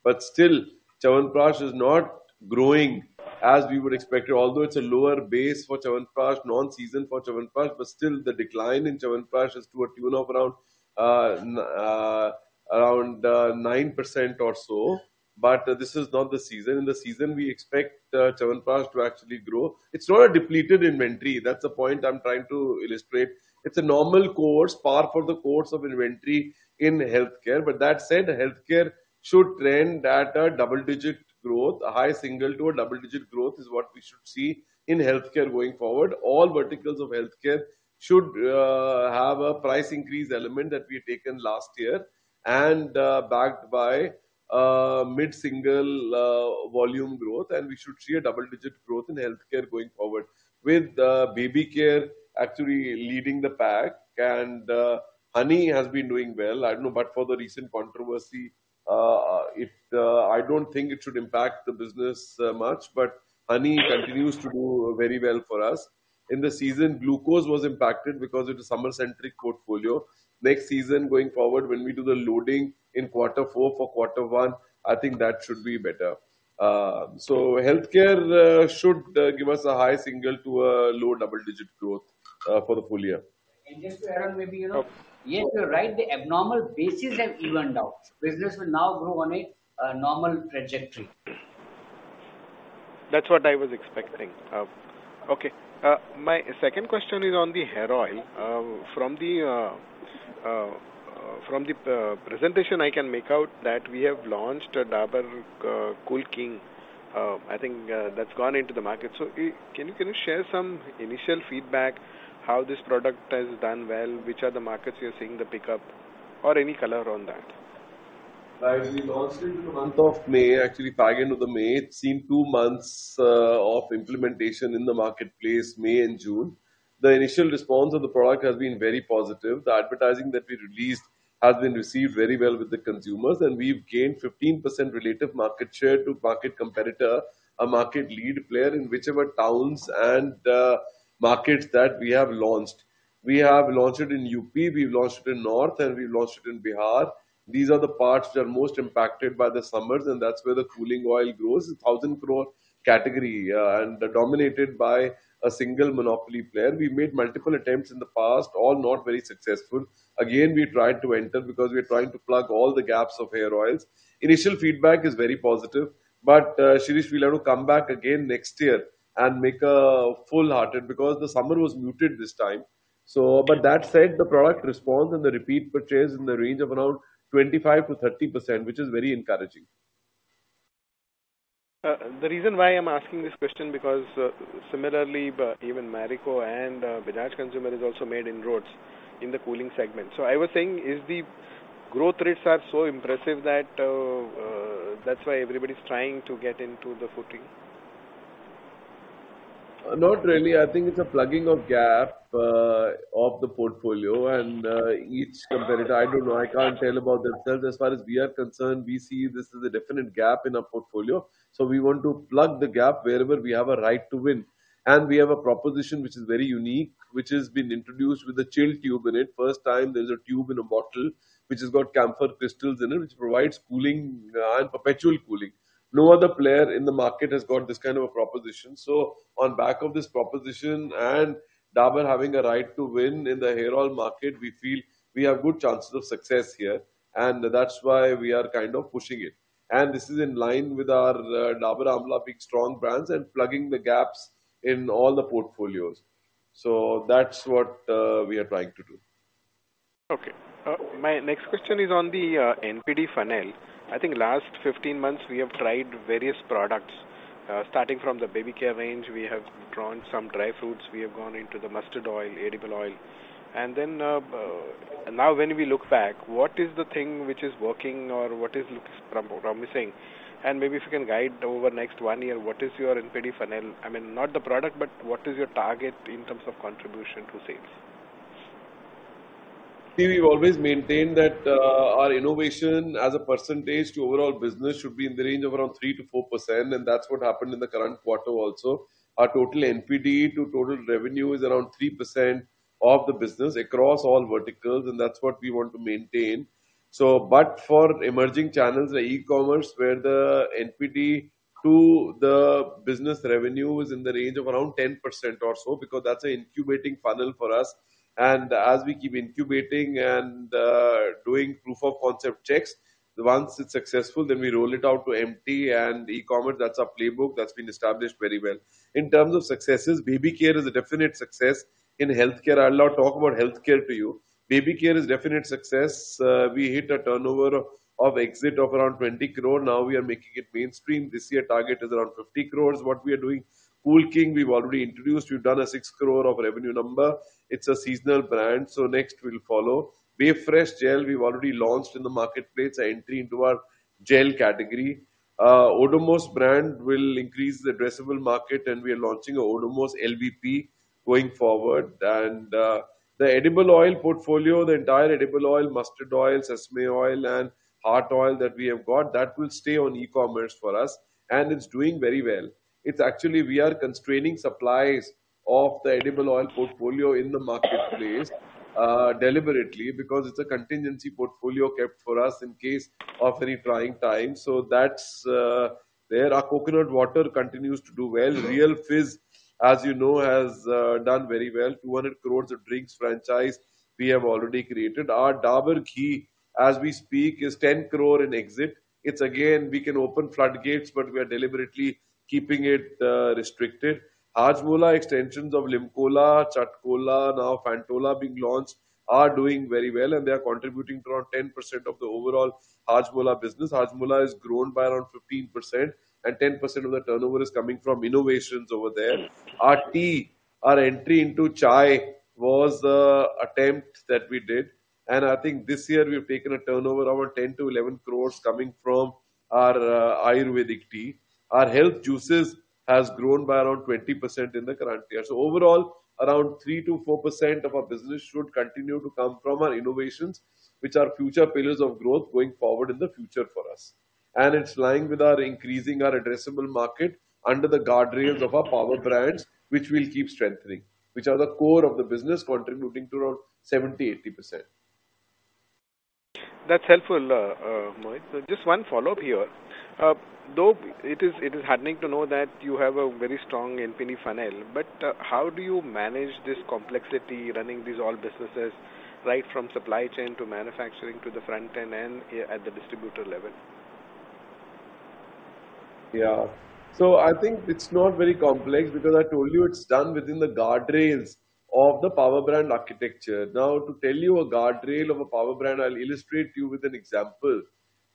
11%. Still, Chyawanprash is not growing as we would expect it, although it's a lower base for Chyawanprash, non-season for Chyawanprash, but still the decline in Chyawanprash is to a tune of around 9% or so, but this is not the season. In the season, we expect Chyawanprash to actually grow. It's not a depleted inventory, that's the point I'm trying to illustrate. It's a normal course, par for the course of inventory in healthcare. That said, Healthcare should trend at a double-digit growth. A high single to a double-digit growth is what we should see in Healthcare going forward. All verticals of Healthcare should have a price increase element that we had taken last year, and backed by mid-single volume growth, and we should see a double-digit growth in Healthcare going forward, with baby care actually leading the pack and honey has been doing well. I don't know, but for the recent controversy, it, I don't think it should impact the business much, but honey continues to do very well for us. In the season, glucose was impacted because it is summer-centric portfolio. Next season, going forward, when we do the loading in Q4 for Q1, I think that should be better. Healthcare should give us a high single to a low double-digit growth for the full year. Just to add on, maybe, you know. Yes, you're right, the abnormal bases have evened out. Business will now grow on a normal trajectory. That's what I was expecting. Okay. My second question is on the hair oil. From the presentation, I can make out that we have launched a Dabur Cool King. I think that's gone into the market. So can you, can you share some initial feedback, how this product has done well, which are the markets you're seeing the pickup, or any color on that? We launched it in the month of May, actually pageant of the May. It's seen two months of implementation in the marketplace, May and June. The initial response of the product has been very positive. The advertising that we released has been received very well with the consumers, and we've gained 15% relative market share to market competitor, a market lead player in whichever towns and markets that we have launched. We have launched it in UP, we've launched it in North, and we've launched it in Bihar. These are the parts that are most impacted by the summers, and that's where the cooling oil goes. An 1,000 crore category, and they're dominated by a single monopoly player. We made multiple attempts in the past, all not very successful. Again, we tried to enter because we are trying to plug all the gaps of Hair oils. Initial feedback is very positive, but Shirish, we'll have to come back again next year and make a full-hearted, because the summer was muted this time. But that said, the product response and the repeat purchase in the range of around 25%-30%, which is very encouraging. The reason why I'm asking this question, because, similarly, even Marico and Bajaj Consumer has also made inroads in the cooling segment. I was saying, is the growth rates are so impressive that, that's why everybody's trying to get into the footing? Not really. I think it's a plugging of gap of the portfolio and each competitor. I don't know, I can't tell about themselves. As far as we are concerned, we see this as a definite gap in our portfolio, so we want to plug the gap wherever we have a right to win. We have a proposition which is very unique, which has been introduced with a chill tube in it. First time there's a tube in a bottle, which has got camphor crystals in it, which provides cooling and perpetual cooling. No other player in the market has got this kind of a proposition. On back of this proposition and Dabur having a right to win in the hair oil market, we feel we have good chances of success here, and that's why we are kind of pushing it. This is in line with our Dabur Amla being strong brands and plugging the gaps in all the portfolios. That's what we are trying to do. Okay. My next question is on the NPD funnel. I think last 15 months, we have tried various products. Starting from the baby care range, we have drawn some dry fruits, we have gone into the mustard oil, edible oil. Now when we look back, what is the thing which is working or what is looks promising? Maybe if you can guide over next one year, what is your NPD funnel? I mean, not the product, but what is your target in terms of contribution to sales? We will always maintain that our innovation as a percentage to overall business should be in the range of around 3%-4%. That's what happened in the current quarter also. Our total NPD to total revenue is around 3% of the business across all verticals. That's what we want to maintain. But for emerging channels, the e-commerce, where the NPD to the business revenue is in the range of around 10% or so, because that's an incubating funnel for us. As we keep incubating and doing proof of concept checks, once it's successful, then we roll it out to MP and e-commerce. That's our playbook. That's been established very well. In terms of successes, baby care is a definite success. In Healthcare, I'll not talk about Healthcare to you. Baby care is definite success. We hit a turnover of exit of around 20 crore. Now we are making it mainstream. This year, target is around 50 crores. What we are doing, Cool King, we've already introduced. We've done a 6 crore of revenue number. It's a seasonal brand. Next will follow. Wave fresh gel, we've already launched in the marketplace, a entry into our gel category. Odomos brand will increase the addressable market, and we are launching Odomos LVP going forward. The edible oil portfolio, the entire edible oil, mustard oil, sesame oil, and heart oil that we have got, that will stay on e-commerce for us, and it's doing very well. It's actually, we are constraining supplies of the edible oil portfolio in the marketplace, deliberately, because it's a contingency portfolio kept for us in case of any frying time. That's there. Our coconut water continues to do well. Real Fizz-...As you know, has done very well. 200 crore of drinks franchise we have already created. Our Dabur Ghee, as we speak, is 10 crore in exit. It's again, we can open floodgates, but we are deliberately keeping it restricted. Hajmola extensions of Limkola, Chatkola, now Fantola being launched, are doing very well, and they are contributing to around 10% of the overall Hajmola business. Hajmola has grown by around 15%, and 10% of the turnover is coming from innovations over there. Our tea, our entry into chai was an attempt that we did, and I think this year we have taken a turnover over 10 crore-11 crore coming from our Ayurvedic tea. Our health juices has grown by around 20% in the current year. Overall, around 3%-4% of our business should continue to come from our innovations, which are future pillars of growth going forward in the future for us. It's lying with our increasing our addressable market under the guardrails of our power brands, which we'll keep strengthening, which are the core of the business, contributing to around 70%-80%. That's helpful, Mohit. Just one follow-up here. It is, it is heartening to know that you have a very strong NPB funnel, but how do you manage this complexity, running these all businesses, right from supply chain to manufacturing to the front end and at the distributor level? Yeah. I think it's not very complex because I told you it's done within the guardrails of the power brand architecture. Now, to tell you a guardrail of a power brand, I'll illustrate you with an example.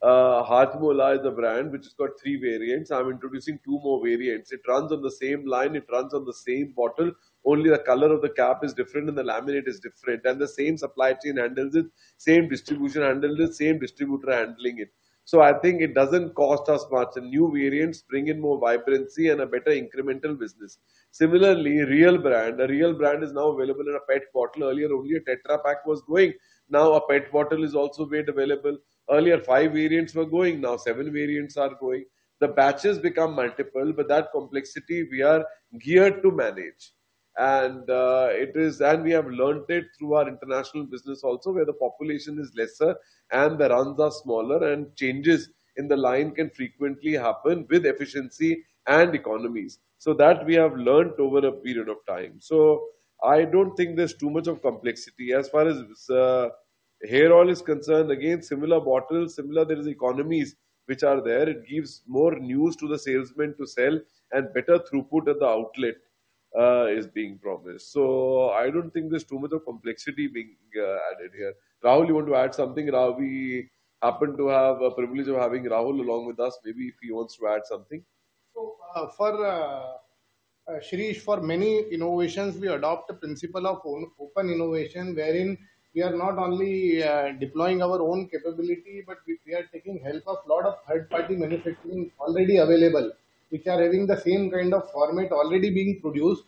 Hajmola is a brand which has got three variants. I'm introducing two more variants. It runs on the same line, it runs on the same bottle. Only the color of the cap is different and the laminate is different, and the same supply chain handles it, same distribution handle it, same distributor handling it. I think it doesn't cost us much, and new variants bring in more vibrancy and a better incremental business. Similarly, Real brand. The Real brand is now available in a pet bottle. Earlier, only a Tetra Pak was going. Now, a pet bottle is also made available. Earlier, 5 variants were going, now 7 variants are going. The batches become multiple, but that complexity we are geared to manage. We have learnt it through our international business also, where the population is lesser and the runs are smaller and changes in the line can frequently happen with efficiency and economies. That we have learnt over a period of time. I don't think there's too much of complexity. As far as Hair Oil is concerned, again, similar bottles, similar there is economies which are there. It gives more news to the salesman to sell and better throughput at the outlet is being promised. I don't think there's too much of complexity being added here. Rahul, you want to add something? Rahul, we happen to have a privilege of having Rahul along with us. Maybe if he wants to add something. For Shirish, for many innovations, we adopt a principle of open, open innovation, wherein we are not only deploying our own capability, but we, we are taking help of lot of third-party manufacturing already available, which are having the same kind of format already being produced.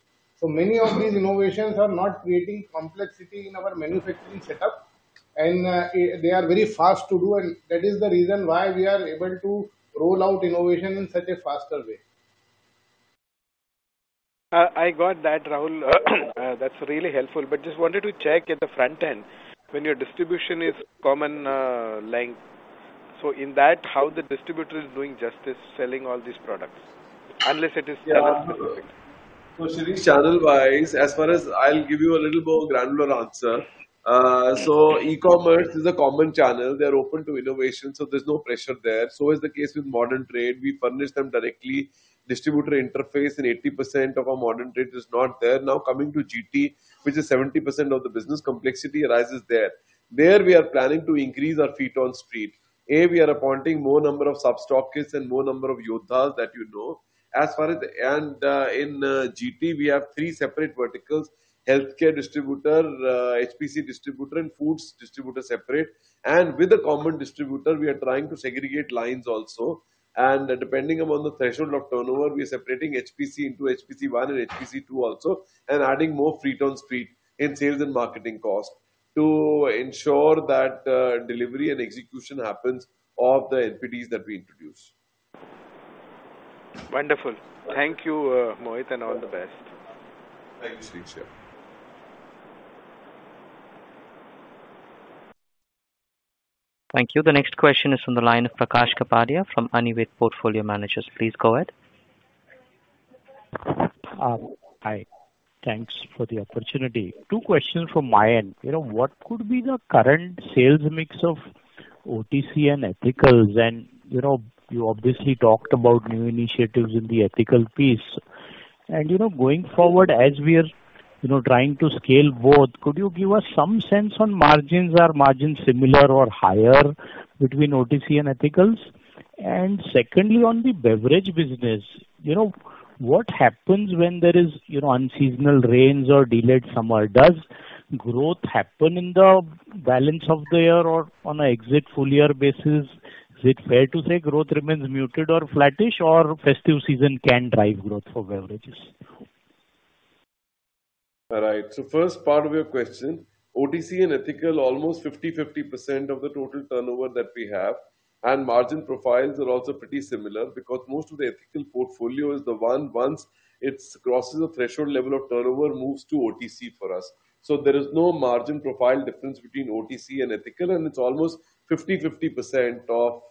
Many of these innovations are not creating complexity in our manufacturing setup, and they are very fast to do, and that is the reason why we are able to roll out innovation in such a faster way. I got that, Rahul. That's really helpful, but just wanted to check at the front end, when your distribution is common, length, so in that, how the distributor is doing justice selling all these products, unless it is-? Yeah. Shirish, channel-wise, as far as... I'll give you a little more granular answer. e-commerce is a common channel. They're open to innovation, so there's no pressure there. is the case with modern trade, we furnish them directly. Distributor interface in 80% of our modern trade is not there. Now, coming to GT, which is 70% of the business, complexity arises there. There, we are planning to increase our feet on street. A, we are appointing more number of sub-stockists and more number of Yodhas, that you know. As far as the- in GT, we have 3 separate verticals: Healthcare distributor, HPC distributor, and Foods distributor, separate. With the common distributor, we are trying to segregate lines also, and depending upon the threshold of turnover, we are separating HPC into HPC one and HPC two also, and adding more feet on street in sales and marketing cost to ensure that delivery and execution happens of the NPDs that we introduce. Wonderful. Thank you, Mohit, and all the best. Thank you, Shirish. Thank you. The next question is from the line of Prakash Kapadia from Anived Portfolio Managers. Please go ahead. Hi. Thanks for the opportunity. Two questions from my end. You know, what could be the current sales mix of OTC and ethical? You know, you obviously talked about new initiatives in the ethical piece. You know, going forward, as we are, you know, trying to scale both, could you give us some sense on margins? Are margins similar or higher between OTC and ethical? Secondly, on the beverage business, you know, what happens when there is, you know, unseasonal rains or delayed summer? Does growth happen in the balance of the year or on an exit full year basis? Is it fair to say growth remains muted or flattish, or festive season can drive growth for beverages? All right. First part of your question, OTC and ethical, almost 50-50% of the total turnover that we have, and margin profiles are also pretty similar because most of the ethical portfolio is the one, once it crosses the threshold level of turnover, moves to OTC for us. There is no margin profile difference between OTC and ethical, and it's almost 50-50% of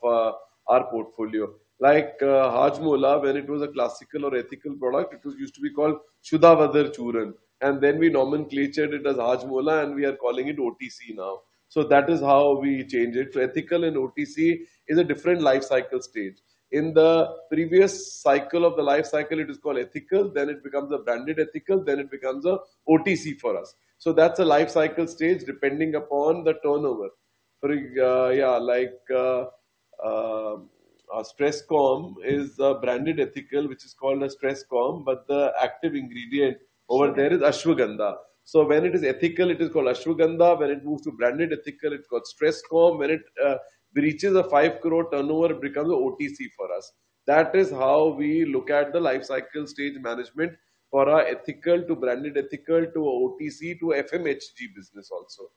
our portfolio. Like Hajmola, where it was a classical or ethical product. It was used to be called Shudhavardhak Churna, and then we nomenclatured it as Hajmola, and we are calling it OTC now. That is how we change it. Ethical and OTC is a different life cycle stage. In the previous cycle of the life cycle, it is called ethical, then it becomes a branded ethical, then it becomes a OTC for us. That's a life cycle stage, depending upon the turnover. For eg., Stresscom is a branded ethical, which is called a Stresscom, but the active ingredient over there is Ashwagandha. When it is ethical, it is called Ashwagandha. When it moves to branded ethical, it's called Stresscom. When it reaches an 5 crore turnover, it becomes OTC for us. That is how we look at the life cycle stage management for our ethical to branded ethical to OTC to FMCG business also.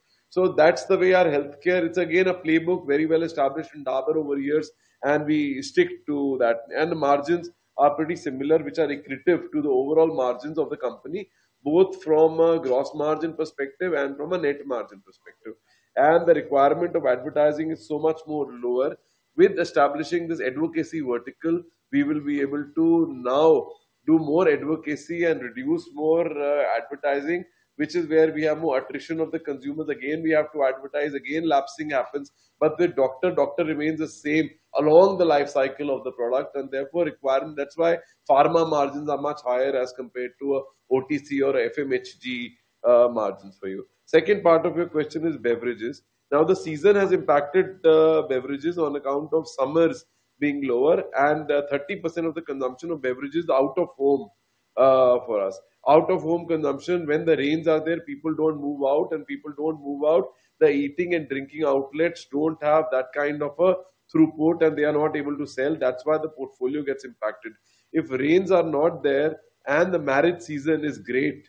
That's the way our healthcare. It's again, a playbook very well established in Dabur over years, and we stick to that. The margins are pretty similar, which are accretive to the overall margins of the company, both from a gross margin perspective and from a net margin perspective. The requirement of advertising is so much more lower. With establishing this advocacy vertical, we will be able to now do more advocacy and reduce more advertising, which is where we have more attrition of the consumers. Again, we have to advertise, again, lapsing happens, but with doctor, doctor remains the same along the life cycle of the product, and therefore requirement. That's why pharma margins are much higher as compared to a OTC or a FMCG margins for you. Second part of your question is beverages. Now, the season has impacted beverages on account of summers being lower, and 30% of the consumption of beverages is out of home for us. Out of home consumption, when the rains are there, people don't move out, and people don't move out, the eating and drinking outlets don't have that kind of a throughput, and they are not able to sell. That's why the portfolio gets impacted. If rains are not there, and the marriage season is great,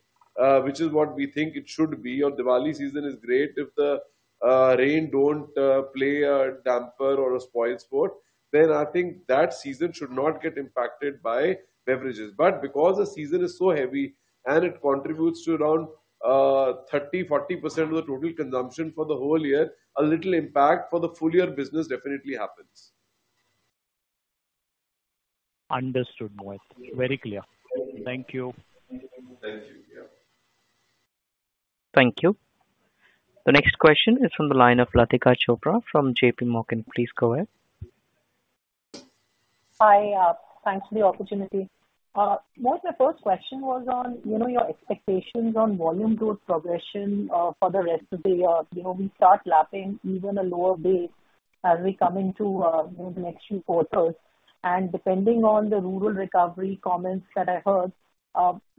which is what we think it should be, or Diwali season is great, if the, rain don't, play a damper or a spoilsport, then I think that season should not get impacted by beverages. Because the season is so heavy and it contributes to around, 30%-40% of the total consumption for the whole year, a little impact for the full year business definitely happens. Understood, Mohit. Very clear. Thank you. Thank you. Yeah. Thank you. The next question is from the line of Latika Chopra from JP Morgan. Please go ahead. Hi, thanks for the opportunity. Mohit, my first question was on, you know, your expectations on volume growth progression for the rest of the year. You know, we start lapping even a lower base as we come into the next few quarters. Depending on the rural recovery comments that I heard,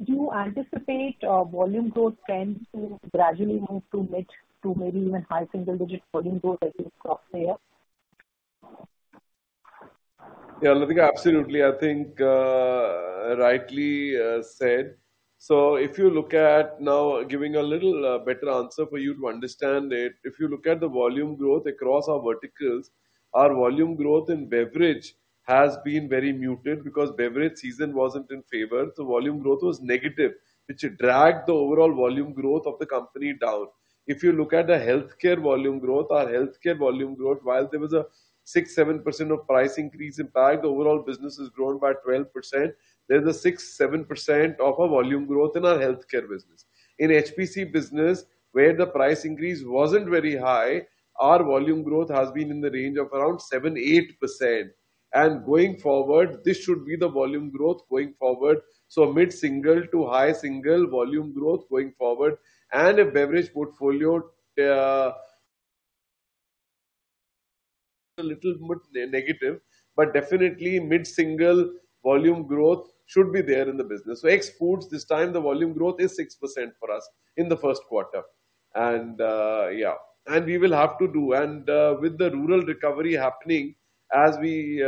do you anticipate volume growth trend to gradually move to mid to maybe even high single digit volume growth as we cross the year? Yeah, Latika, absolutely. I think, rightly, said. If you look at now, giving a little better answer for you to understand it. If you look at the volume growth across our verticals, our volume growth in beverage has been very muted because beverage season wasn't in favor, so volume growth was negative, which dragged the overall volume growth of the company down. If you look at the Healthcare volume growth, our Healthcare volume growth, while there was a 6-7% of price increase impact, the overall business has grown by 12%. There's a 6-7% of our volume growth in our Healthcare business. In HPC business, where the price increase wasn't very high, our volume growth has been in the range of around 7-8%. Going forward, this should be the volume growth going forward. Mid-single to high single volume growth going forward, and a beverage portfolio, a little bit negative, but definitely mid-single volume growth should be there in the business. Exports, this time, the volume growth is 6% for us in the Q1. Yeah, we will have to do. With the rural recovery happening, as we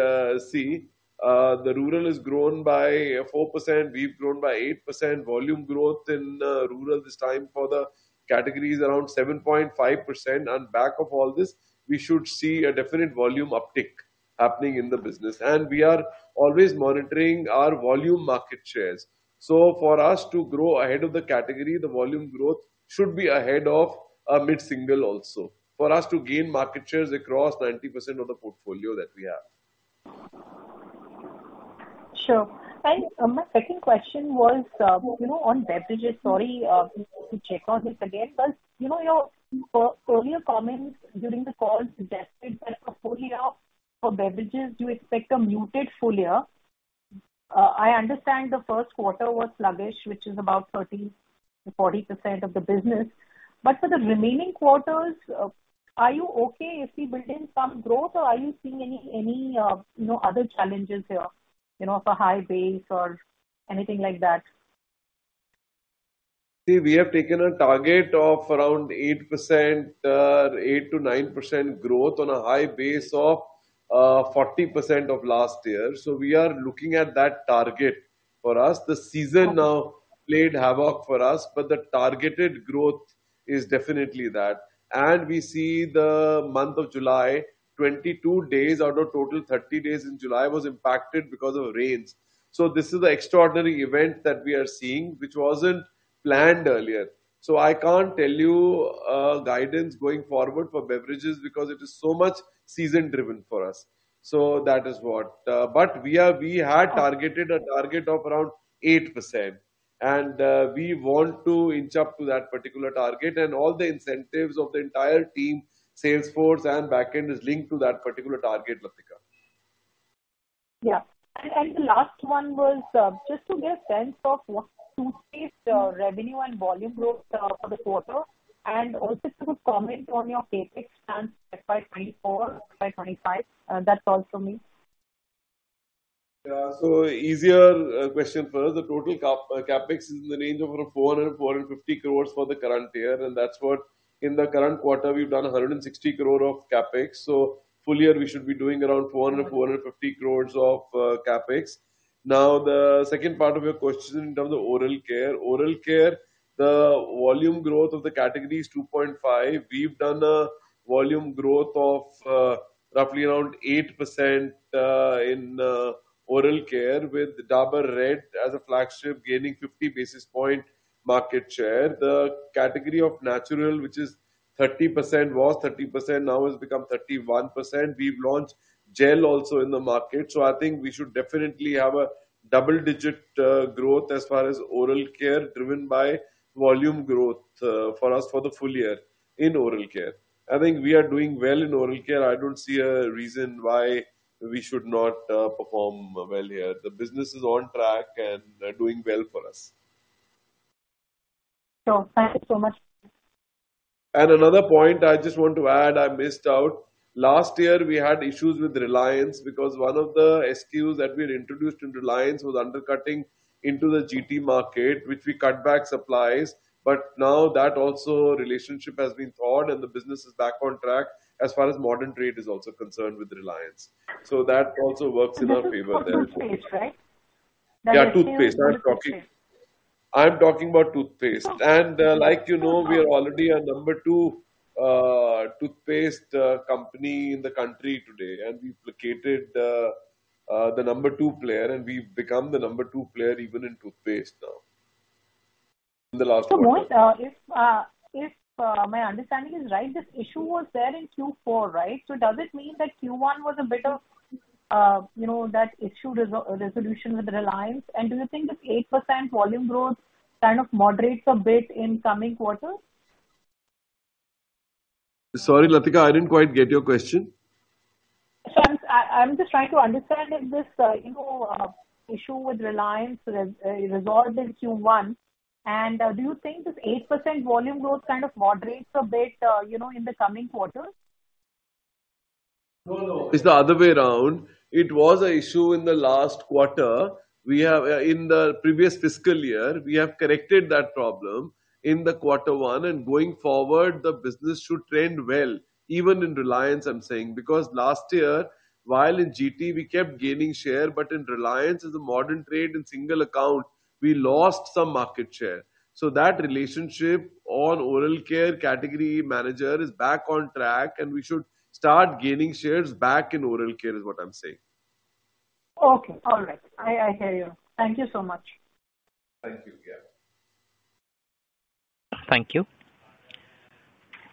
see, the rural has grown by 4%, we've grown by 8%. Volume growth in rural this time for the category is around 7.5%. On back of all this, we should see a definite volume uptick happening in the business. We are always monitoring our volume market shares. For us to grow ahead of the category, the volume growth should be ahead of a mid-single also, for us to gain market shares across 90% of the portfolio that we have. Sure. My second question was, you know, on beverages. Sorry, to check on this again, but you know, your earlier comments during the call suggested that for full year, for beverages, you expect a muted full year. I understand the Q1 as sluggish, which is about 30%-40% of the business. For the remaining quarters, are you okay if we build in some growth, or are you seeing any, any, you know, other challenges here, you know, of a high base or anything like that? See, we have taken a target of around 8%, 8%-9% growth on a high base of 40% of last year. We are looking at that target. For us, the season played havoc for us, but the targeted growth is definitely that. We see the month of July, 22 days out of total 30 days in July, was impacted because of rains. This is the extraordinary event that we are seeing, which wasn't planned earlier. I can't tell you guidance going forward for beverages because it is so much season-driven for us. That is what. We had targeted a target of around 8%, and we want to inch up to that particular target. All the incentives of the entire team, salesforce, and back end is linked to that particular target, Latika. The last one was just to get a sense of what toothpaste revenue and volume growth for the quarter, and also to comment on your CapEx plans by 2024, by 2025. That's all from me. Easier question first. The total CapEx is in the range of around 400-450 crores for the current year, and that's what. In the current quarter, we've done 160 crore of CapEx, full year we should be doing around 400-450 crores of CapEx. The second part of your question in terms of oral care. Oral care, the volume growth of the category is 2.5. We've done a volume growth of roughly around 8% in oral care, with Dabur Red as a flagship, gaining 50 basis points market share. The category of natural, which is 30%, was 30%, now has become 31%. We've launched gel also in the market, so I think we should definitely have a double-digit growth as far as oral care, driven by volume growth, for us for the full year in oral care. I think we are doing well in oral care. I don't see a reason why we should not perform well here. The business is on track and doing well for us. Sure. Thank you so much. Another point I just want to add, I missed out. Last year, we had issues with Reliance, because one of the SKUs that we had introduced in Reliance was undercutting into the GT market, which we cut back supplies. Now that also relationship has been thawed, and the business is back on track as far as modern trade is also concerned with Reliance. That also works in our favor then. This is toothpaste, right? Yeah, toothpaste. I'm talking about toothpaste. Okay. Like you know, we are already a number 2 toothpaste company in the country today, and we've placated the number two player, and we've become the number two player even in toothpaste now, in the last quarter. Mohit, if, if, my understanding is right, this issue was there in Q4, right? Does it mean that Q1 was a bit of, you know, that issue resolution with Reliance? Do you think this 8% volume growth kind of moderates a bit in coming quarters? Sorry, Latika, I didn't quite get your question. Sure. I, I'm just trying to understand if this, you know, issue with Reliance resolved in Q1. Do you think this 8% volume growth kind of moderates a bit, you know, in the coming quarters? No, no. It's the other way around. It was a issue in the last quarter. We have In the previous fiscal year, we have corrected that problem in the quarter one. Going forward, the business should trend well, even in Reliance, I'm saying. Last year, while in GT, we kept gaining share, but in Reliance as a modern trade and single account, we lost some market share. That relationship on oral care category manager is back on track. We should start gaining shares back in oral care, is what I'm saying. Okay, all right. I, I hear you. Thank you so much. Thank you, Latika. Thank you.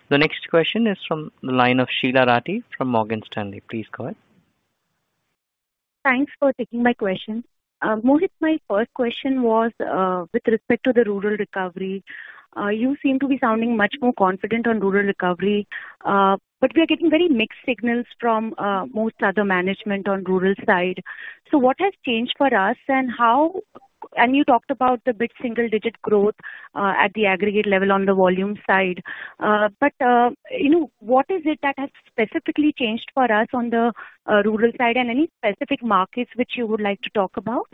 The next question is from the line of Sheela Rathi from Morgan Stanley. Please go ahead. Thanks for taking my question. Mohit, my first question was, with respect to the rural recovery. You seem to be sounding much more confident on rural recovery, but we are getting very mixed signals from most other management on rural side. What has changed for us? You talked about the bit single digit growth at the aggregate level on the volume side. You know, what is it that has specifically changed for us on the rural side, and any specific markets which you would like to talk about?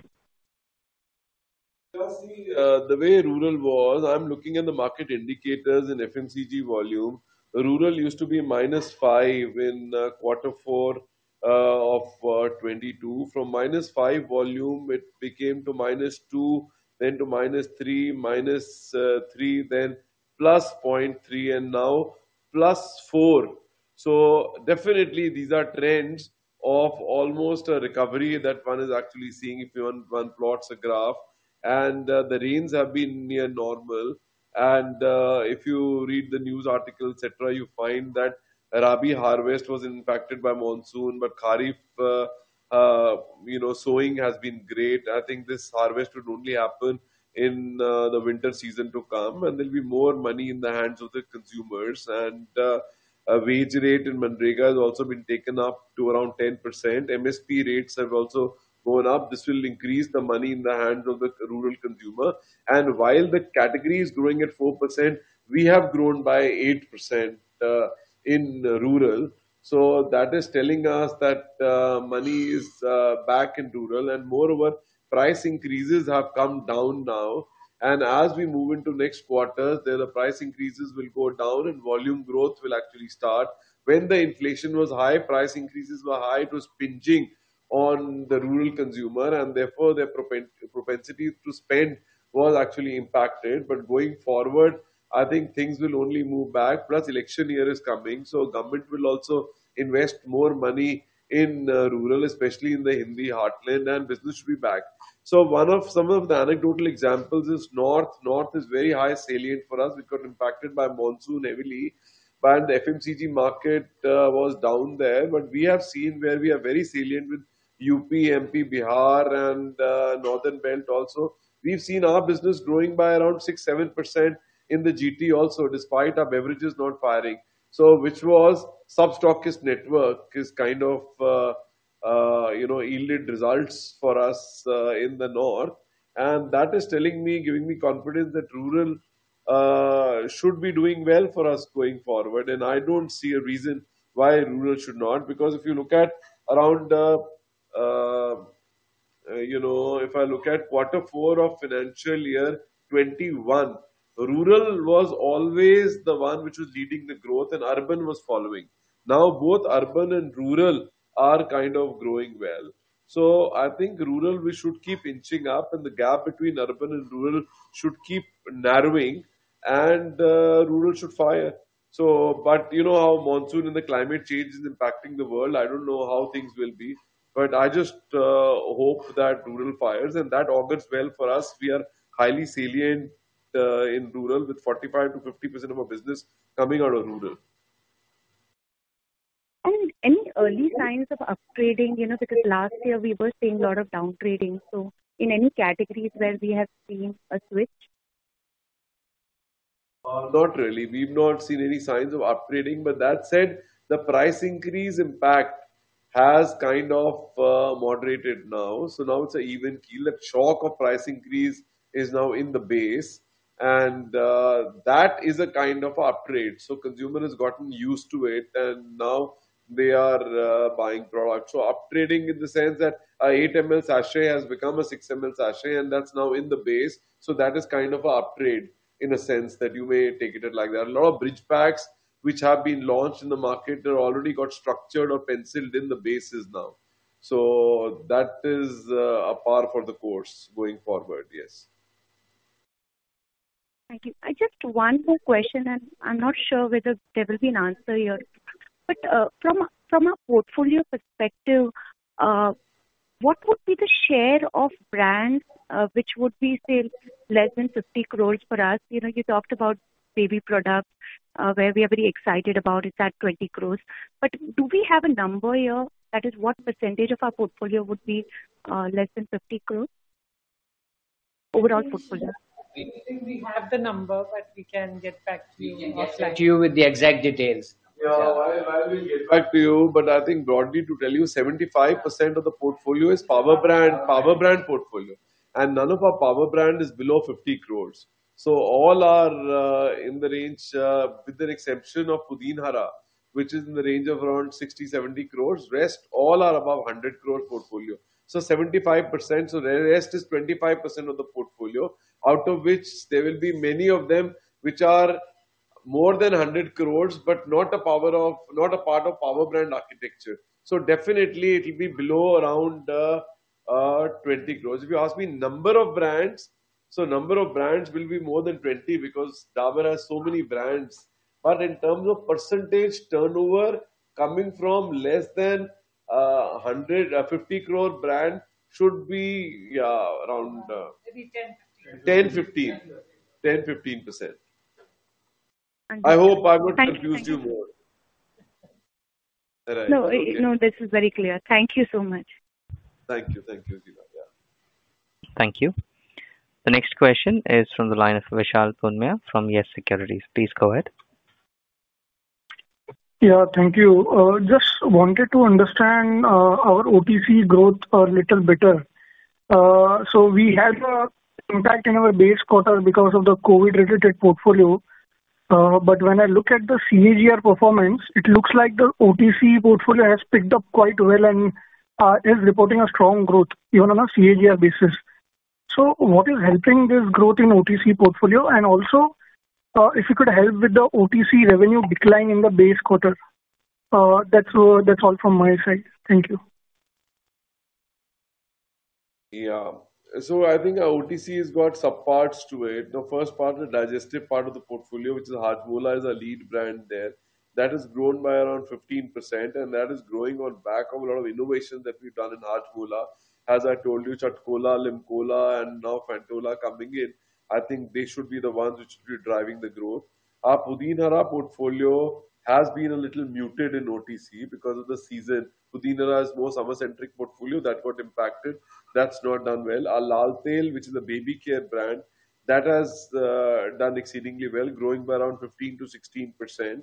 Yeah, see, the way rural was, I'm looking at the market indicators in FMCG volume. Rural used to be -5 in Q4 of 2022. From -5 volume, it became to -2, then to -3, -3, then +0.3, and now +4. Definitely these are trends of almost a recovery that one is actually seeing if one, one plots a graph. The rains have been near normal. If you read the news articles, et cetera, you find that rabi harvest was impacted by monsoon, but kharif, you know, sowing has been great. I think this harvest would only happen in the winter season to come, and there'll be more money in the hands of the consumers. Wage rate in Manrega has also been taken up to around 10%. MSP rates have also gone up. This will increase the money in the hands of the rural consumer. While the category is growing at 4%, we have grown by 8% in rural. That is telling us that money is back in rural. Moreover, price increases have come down now, and as we move into next quarter, then the price increases will go down, and volume growth will actually start. When the inflation was high, price increases were high, it was pinching on the rural consumer, and therefore their propensity to spend was actually impacted. Going forward, I think things will only move back. Election year is coming, so government will also invest more money in rural, especially in the Hindi heartland, and business should be back. Some of the anecdotal examples is North. North is very high salient for us. It got impacted by monsoon heavily, and FMCG market was down there. We have seen where we are very salient with UP, MP, Bihar and northern belt also. We've seen our business growing by around 6-7% in the GT also, despite our beverages not firing. Which was sub-stockist network is kind of, you know, yielded results for us in the North. That is telling me, giving me confidence that rural should be doing well for us going forward. I don't see a reason why rural should not, because if you look at around, you know, if I look at Q4 of FY21, rural was always the one which was leading the growth and urban was following. Now, both urban and rural are kind of growing well. I think rural, we should keep inching up, and the gap between urban and rural should keep narrowing, and rural should fire. But you know how monsoon and the climate change is impacting the world, I don't know how things will be, but I just hope that rural fires and that augurs well for us. We are highly salient in rural, with 45%-50% of our business coming out of rural. Any early signs of upgrading, you know, because last year we were seeing a lot of downgrading, so in any categories where we have seen a switch? Not really. We've not seen any signs of upgrading, but that said, the price increase, in fact, has kind of moderated now. Now it's an even keel. The shock of price increase is now in the base, and that is a kind of upgrade. Consumer has gotten used to it, and now they are buying products. Upgrading in the sense that a 8 ml sachet has become a 6 ml sachet, and that's now in the base. That is kind of an upgrade in a sense that you may take it like that. A lot of bridge packs which have been launched in the market, they're already got structured or penciled in the bases now. That is a par for the course going forward. Yes. Thank you. I just one more question, and I'm not sure whether there will be an answer here. From a portfolio perspective, what would be the share of brands which would be, say, less than 50 crore per hour? You know, you talked about baby products, where we are very excited about it, is at 20 crore. Do we have a number here? That is, what percentage of our portfolio would be less than 50 crore? Overall portfolio. I think we have the number. We can get back to you. We can get back to you with the exact details. Yeah, I, I will get back to you, but I think broadly to tell you, 75% of the portfolio is power brand, power brand portfolio, and none of our power brand is below 50 crore. All are in the range, with the exception of Pudin-Hara, which is in the range of around 60-70 crore. Rest, all are above 100 crore portfolio. 75%, the rest is 25% of the portfolio, out of which there will be many of them which are more than 100 crore, but not a part of power brand architecture. Definitely it will be below around 20 crore. If you ask me number of brands, number of brands will be more than 20, because Dabur has so many brands. In terms of percentage, turnover coming from less than 150 crore brand should be, yeah, around. Maybe 10, 15. Ten, fifteen. Ten, fifteen percent. Thank you. I hope I would have confused you more. No, no, this is very clear. Thank you so much. Thank you. Thank you, Sheela. Thank you. The next question is from the line of Vishal Punmiya from Yes Securities. Please go ahead. Yeah, thank you. Just wanted to understand our OTC growth a little better. So we had a impact in our base quarter because of the COVID-related portfolio. But when I look at the CAGR performance, it looks like the OTC portfolio has picked up quite well and is reporting a strong growth even on a CAGR basis. So what is helping this growth in OTC portfolio? And also, if you could help with the OTC revenue decline in the base quarter. That's all, that's all from my side. Thank you. Yeah. I think our OTC has got subparts to it. The first part, the digestive part of the portfolio, which is Hajmola, is our lead brand there. That has grown by around 15%, and that is growing on back of a lot of innovation that we've done in Hajmola. As I told you, Chatkola, Limkola, and now Fantola coming in, I think they should be the ones which should be driving the growth. Our Pudin-Hara portfolio has been a little muted in OTC because of the season. Pudin-Hara is more summer-centric portfolio that got impacted. That's not done well. Our Lal Tail, which is a baby care brand, that has done exceedingly well, growing by around 15%-16%.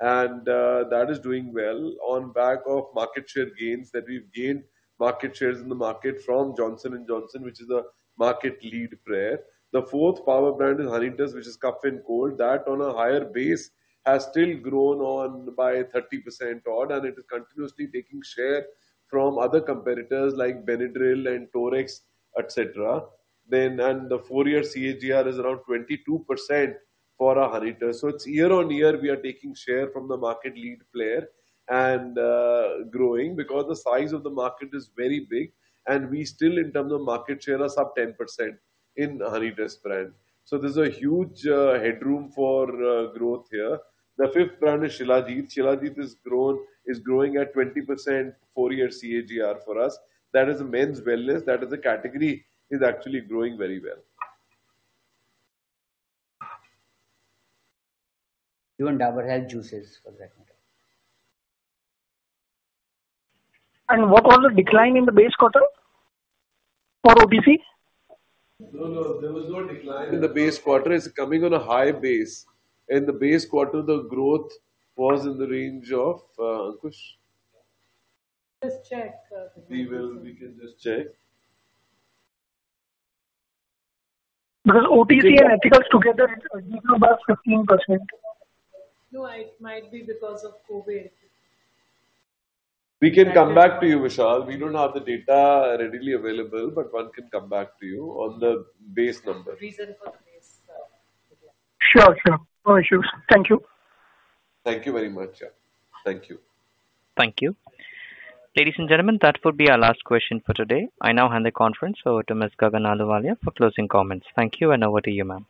That is doing well on back of market share gains that we've gained market shares in the market from Johnson and Johnson, which is a market lead player. The fourth power brand is Honitus, which is cough and cold. That on a higher base, has still grown by 30% odd, and it is continuously taking share from other competitors like Benadryl and Torex, et cetera. The four-year CAGR is around 22% for our Honitus. It's year-on-year, we are taking share from the market lead player and growing because the size of the market is very big, and we still, in terms of market share, are sub 10% in Honitus brand. There's a huge headroom for growth here. The fifth brand is Shilajit. Shilajit is grown, is growing at 20% four-year CAGR for us. That is a men's wellness. That is a category, is actually growing very well. Even Dabur has juices, for that matter. What was the decline in the base quarter for OTC? No, no, there was no decline in the base quarter. It's coming on a high base, and the base quarter, the growth was in the range of, Ankush? Just check. We will, we can just check. Because OTC and Ethical together is about 15%. No, it might be because of COVID. We can come back to you, Vishal. We don't have the data readily available. One can come back to you on the base number. Reason for base, yeah. Sure, sure. No issues. Thank you. Thank you very much. Thank you. Thank you. Ladies and gentlemen, that would be our last question for today. I now hand the conference over to Ms. Gagan Ahluwalia for closing comments. Thank you, and over to you, ma'am.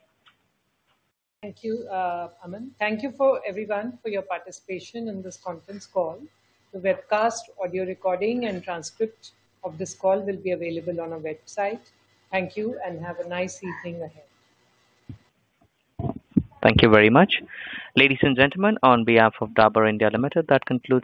Thank you, Aman. Thank you for everyone for your participation in this conference call. The webcast, audio recording, and transcript of this call will be available on our website. Thank you, and have a nice evening ahead. Thank you very much. Ladies and gentlemen, on behalf of Dabur India Limited, that concludes...